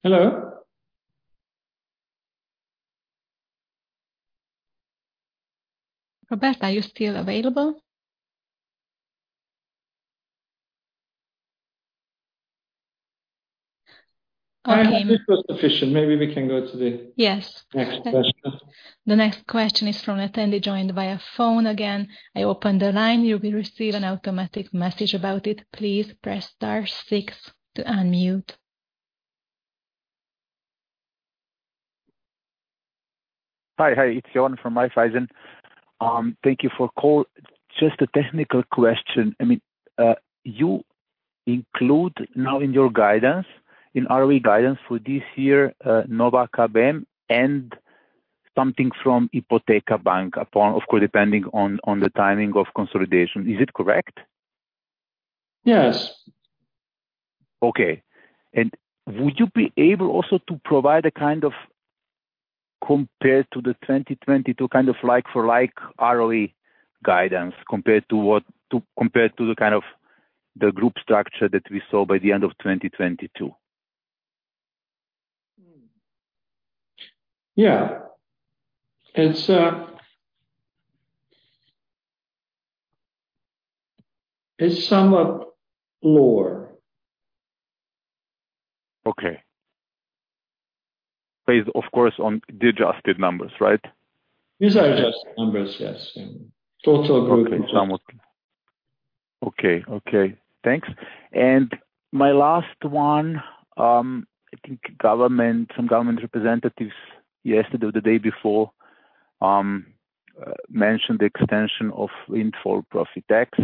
Hello? Robert, are you still available? Okay. I think this was sufficient. Maybe we can go. Yes. Next question. The next question is from an attendee joined via phone. Again, I open the line. You will receive an automatic message about it. Please press star six to unmute. Hi. Hi, it's John from Raiffeisen. Thank you for call. Just a technical question. I mean, you include now in your guidance, in ROE guidance for this year, Nova KBM and something from Ipoteka Bank upon, of course, depending on the timing of consolidation. Is it correct? Yes. Okay. Would you be able also to provide a kind of compared to the 2022 kind of like for like ROE guidance compared to what compared to the kind of the group structure that we saw by the end of 2022? Yeah. It's somewhat lower. Okay. Based of course, on the adjusted numbers, right? These are adjusted numbers, yes. Yeah. Total group Okay. Okay. Thanks. My last one, I think government, some government representatives yesterday or the day before, mentioned the extension of windfall profit tax.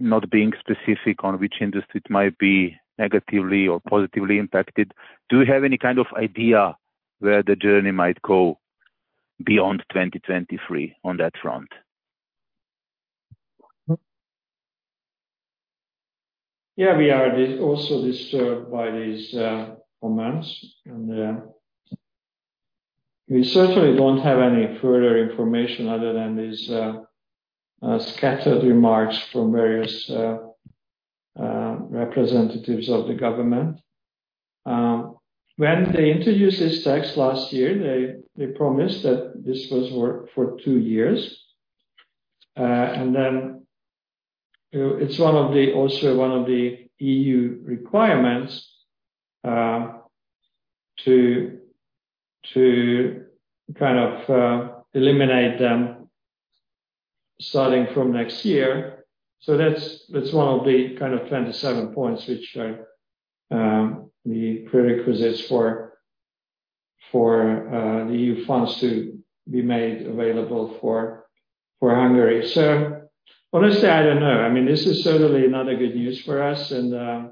Not being specific on which industry it might be negatively or positively impacted. Do you have any kind of idea where the journey might go beyond 2023 on that front? Yeah, we are also disturbed by these comments. We certainly don't have any further information other than these scattered remarks from various representatives of the government. When they introduced this tax last year, they promised that this was work for two years. It's also one of the EU requirements to kind of eliminate them starting from next year. That's one of the kind of 27 points which are the prerequisites for the EU funds to be made available for Hungary. Honestly, I don't know. I mean, this is certainly not a good news for us. I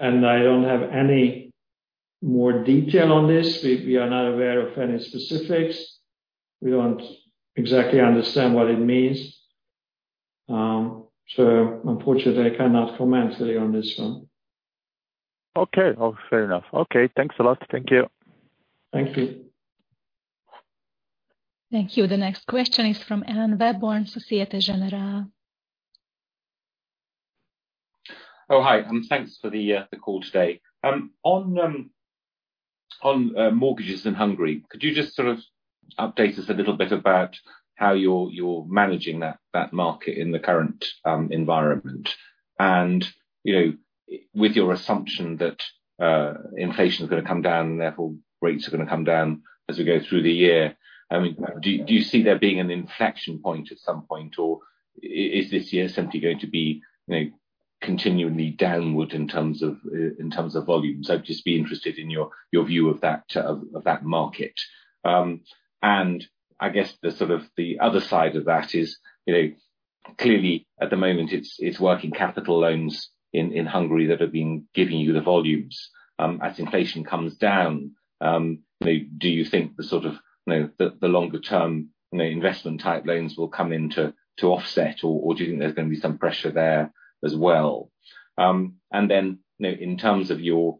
don't have any more detail on this. We are not aware of any specifics. We don't exactly understand what it means. Unfortunately, I cannot comment really on this one. Okay. Fair enough. Okay, thanks a lot. Thank you. Thank you. Thank you. The next question is from Alan Webborn, Societe Generale. Hi, and thanks for the call today. On mortgages in Hungary, could you just sort of update us a little bit about how you're managing that market in the current environment? You know, with your assumption that inflation is gonna come down, therefore rates are gonna come down as we go through the year. I mean, do you see there being an inflection point at some point, or is this year simply going to be, you know, continually downward in terms of volumes? I'd just be interested in your view of that market. I guess the sort of the other side of that is, you know, clearly at the moment it's working capital loans in Hungary that have been giving you the volumes as inflation comes down. Do you think the sort of, you know, the longer term, you know, investment type loans will come into to offset or do you think there's going to be some pressure there as well? Then in terms of your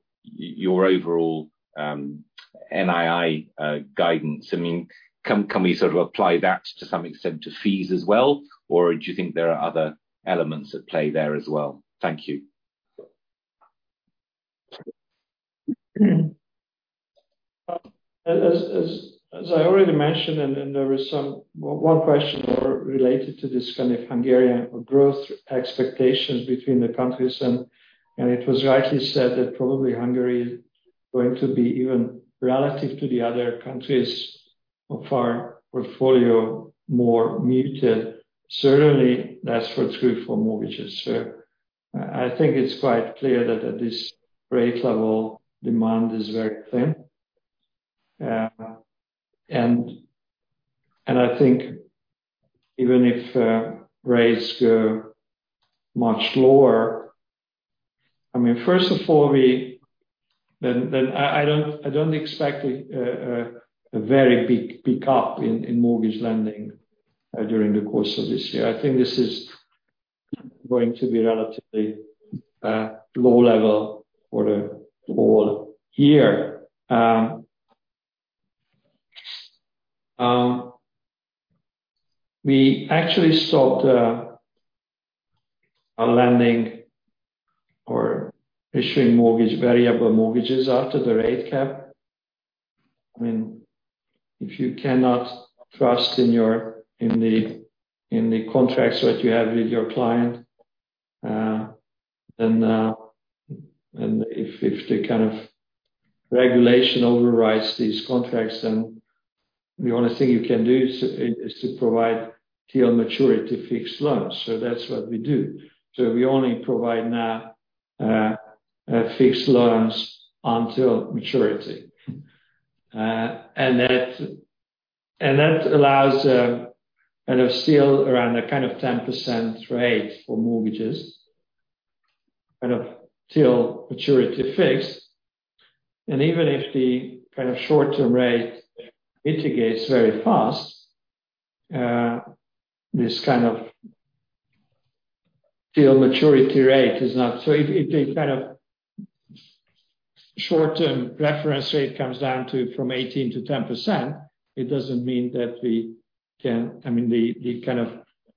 overall NII guidance, I mean, can we sort of apply that to some extent to fees as well, or do you think there are other elements at play there as well? Thank you. As I already mentioned, there was some one question related to this kind of Hungarian growth expectations between the countries, and it was rightly said that probably Hungary is going to be even relative to the other countries of our portfolio, more muted. Certainly that's what's good for mortgages. I think it's quite clear that at this rate level, demand is very thin. And I think even if rates go much lower, I mean, first of all, then I don't expect a very big pick up in mortgage lending during the course of this year. I think this is going to be relatively low level for the whole year. We actually stopped lending or issuing mortgage, variable mortgages after the rate cap. I mean, if you cannot trust in the contracts that you have with your client, then, and if the kind of regulation overrides these contracts, then the only thing you can do is to provide till maturity fixed loans. That's what we do. We only provide now fixed loans until maturity. And that, and that allows kind of still around a kind of 10% rate for mortgages, kind of till maturity fixed. Even if the kind of short-term rate mitigates very fast, this kind of till maturity rate is not. If the kind of short-term reference rate comes down to from 18%-10%, it doesn't mean that we can I mean, the kind of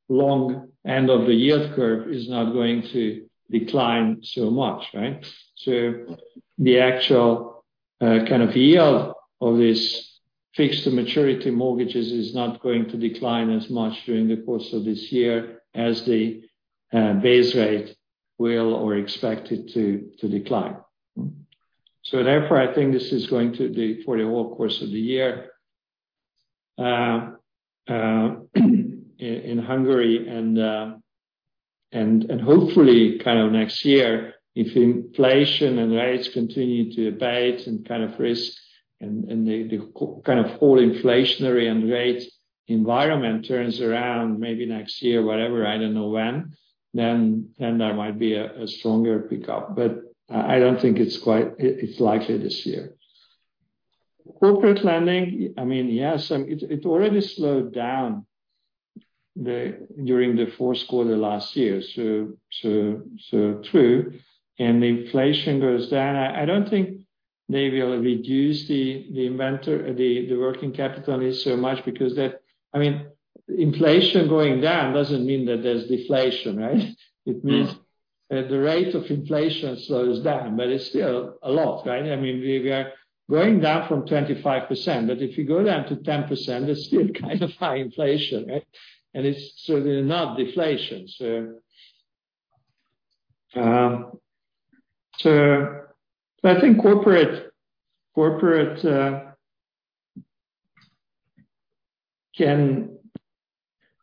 long end of the yield curve is not going to decline so much, right? The actual kind of yield of this fixed maturity mortgages is not going to decline as much during the course of this year as the base rate will or expected to decline. Therefore, I think this is going to be for the whole course of the year in Hungary and hopefully kind of next year, if inflation and rates continue to abate and kind of risk and the kind of all inflationary and rate environment turns around maybe next year, whatever, I don't know when, then there might be a stronger pickup. I don't think it's quite it's likely this year. Corporate lending, I mean, yes, it already slowed down during the fourth quarter last year. So true. The inflation goes down. I don't think they will reduce the inventor, the working capital on this so much because that... I mean, inflation going down doesn't mean that there's deflation, right? No. It means that the rate of inflation slows down, but it's still a lot, right? I mean, we are going down from 25%, but if you go down to 10%, it's still kind of high inflation, right? It's certainly not deflation. I think corporate, I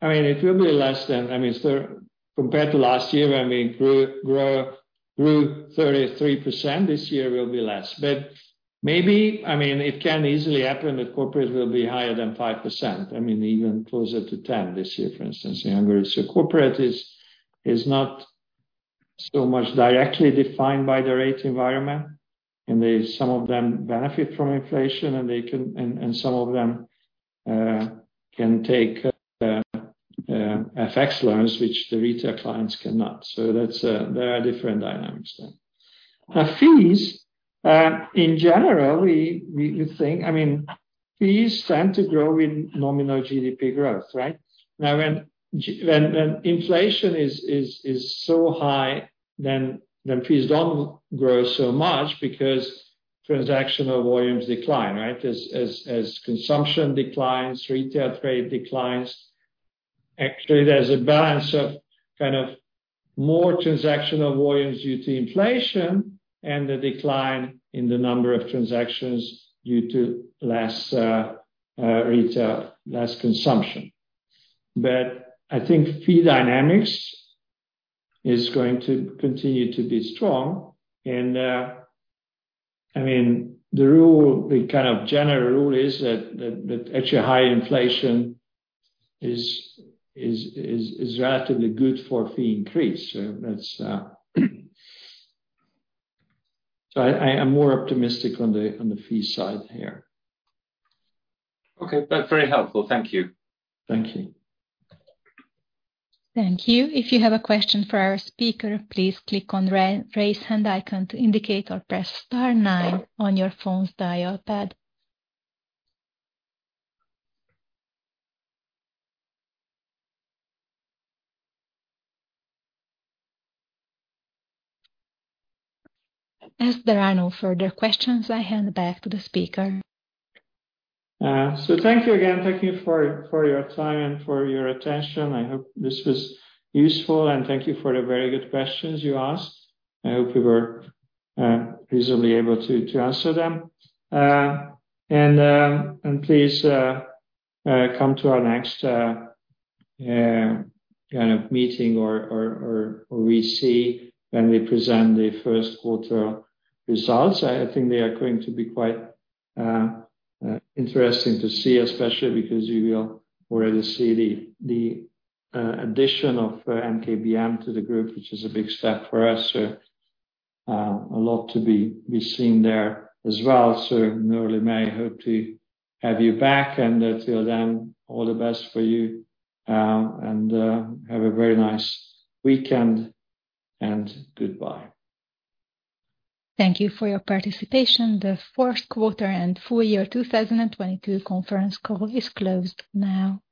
mean, compared to last year, I mean, grew 33%, this year will be less. Maybe, I mean, it can easily happen that corporate will be higher than 5%. I mean, even closer to 10 this year, for instance, in Hungary. Corporate is not so much directly defined by the rate environment, and they some of them benefit from inflation, and some of them can take FX loans which the retail clients cannot. That's, there are different dynamics there. Fees, in general, we think, I mean, fees tend to grow in nominal GDP growth, right? Now, when inflation is so high then fees don't grow so much because transactional volumes decline, right? As consumption declines, retail trade declines. Actually, there's a balance of kind of more transactional volumes due to inflation and the decline in the number of transactions due to less retail, less consumption. I think fee dynamics is going to continue to be strong. I mean, the rule, the kind of general rule is that actually high inflation is relatively good for fee increase. That's, so I am more optimistic on the fee side here. Okay. That's very helpful. Thank you. Thank you. Thank you. If you have a question for our speaker, please click on raise hand icon to indicate or press star nine on your phone's dial pad. As there are no further questions, I hand back to the speaker. Thank you again. Thank you for your time and for your attention. I hope this was useful, and thank you for the very good questions you asked. I hope we were reasonably able to answer them. Please come to our next kind of meeting or we see when we present the first quarter results. I think they are going to be quite interesting to see especially because you will already see the addition of NKBM to the group, which is a big step for us. A lot to be seen there as well. Normally may hope to have you back, and until then, all the best for you. Have a very nice weekend, and goodbye. Thank you for your participation. The fourth quarter and full year 2022 conference call is closed now.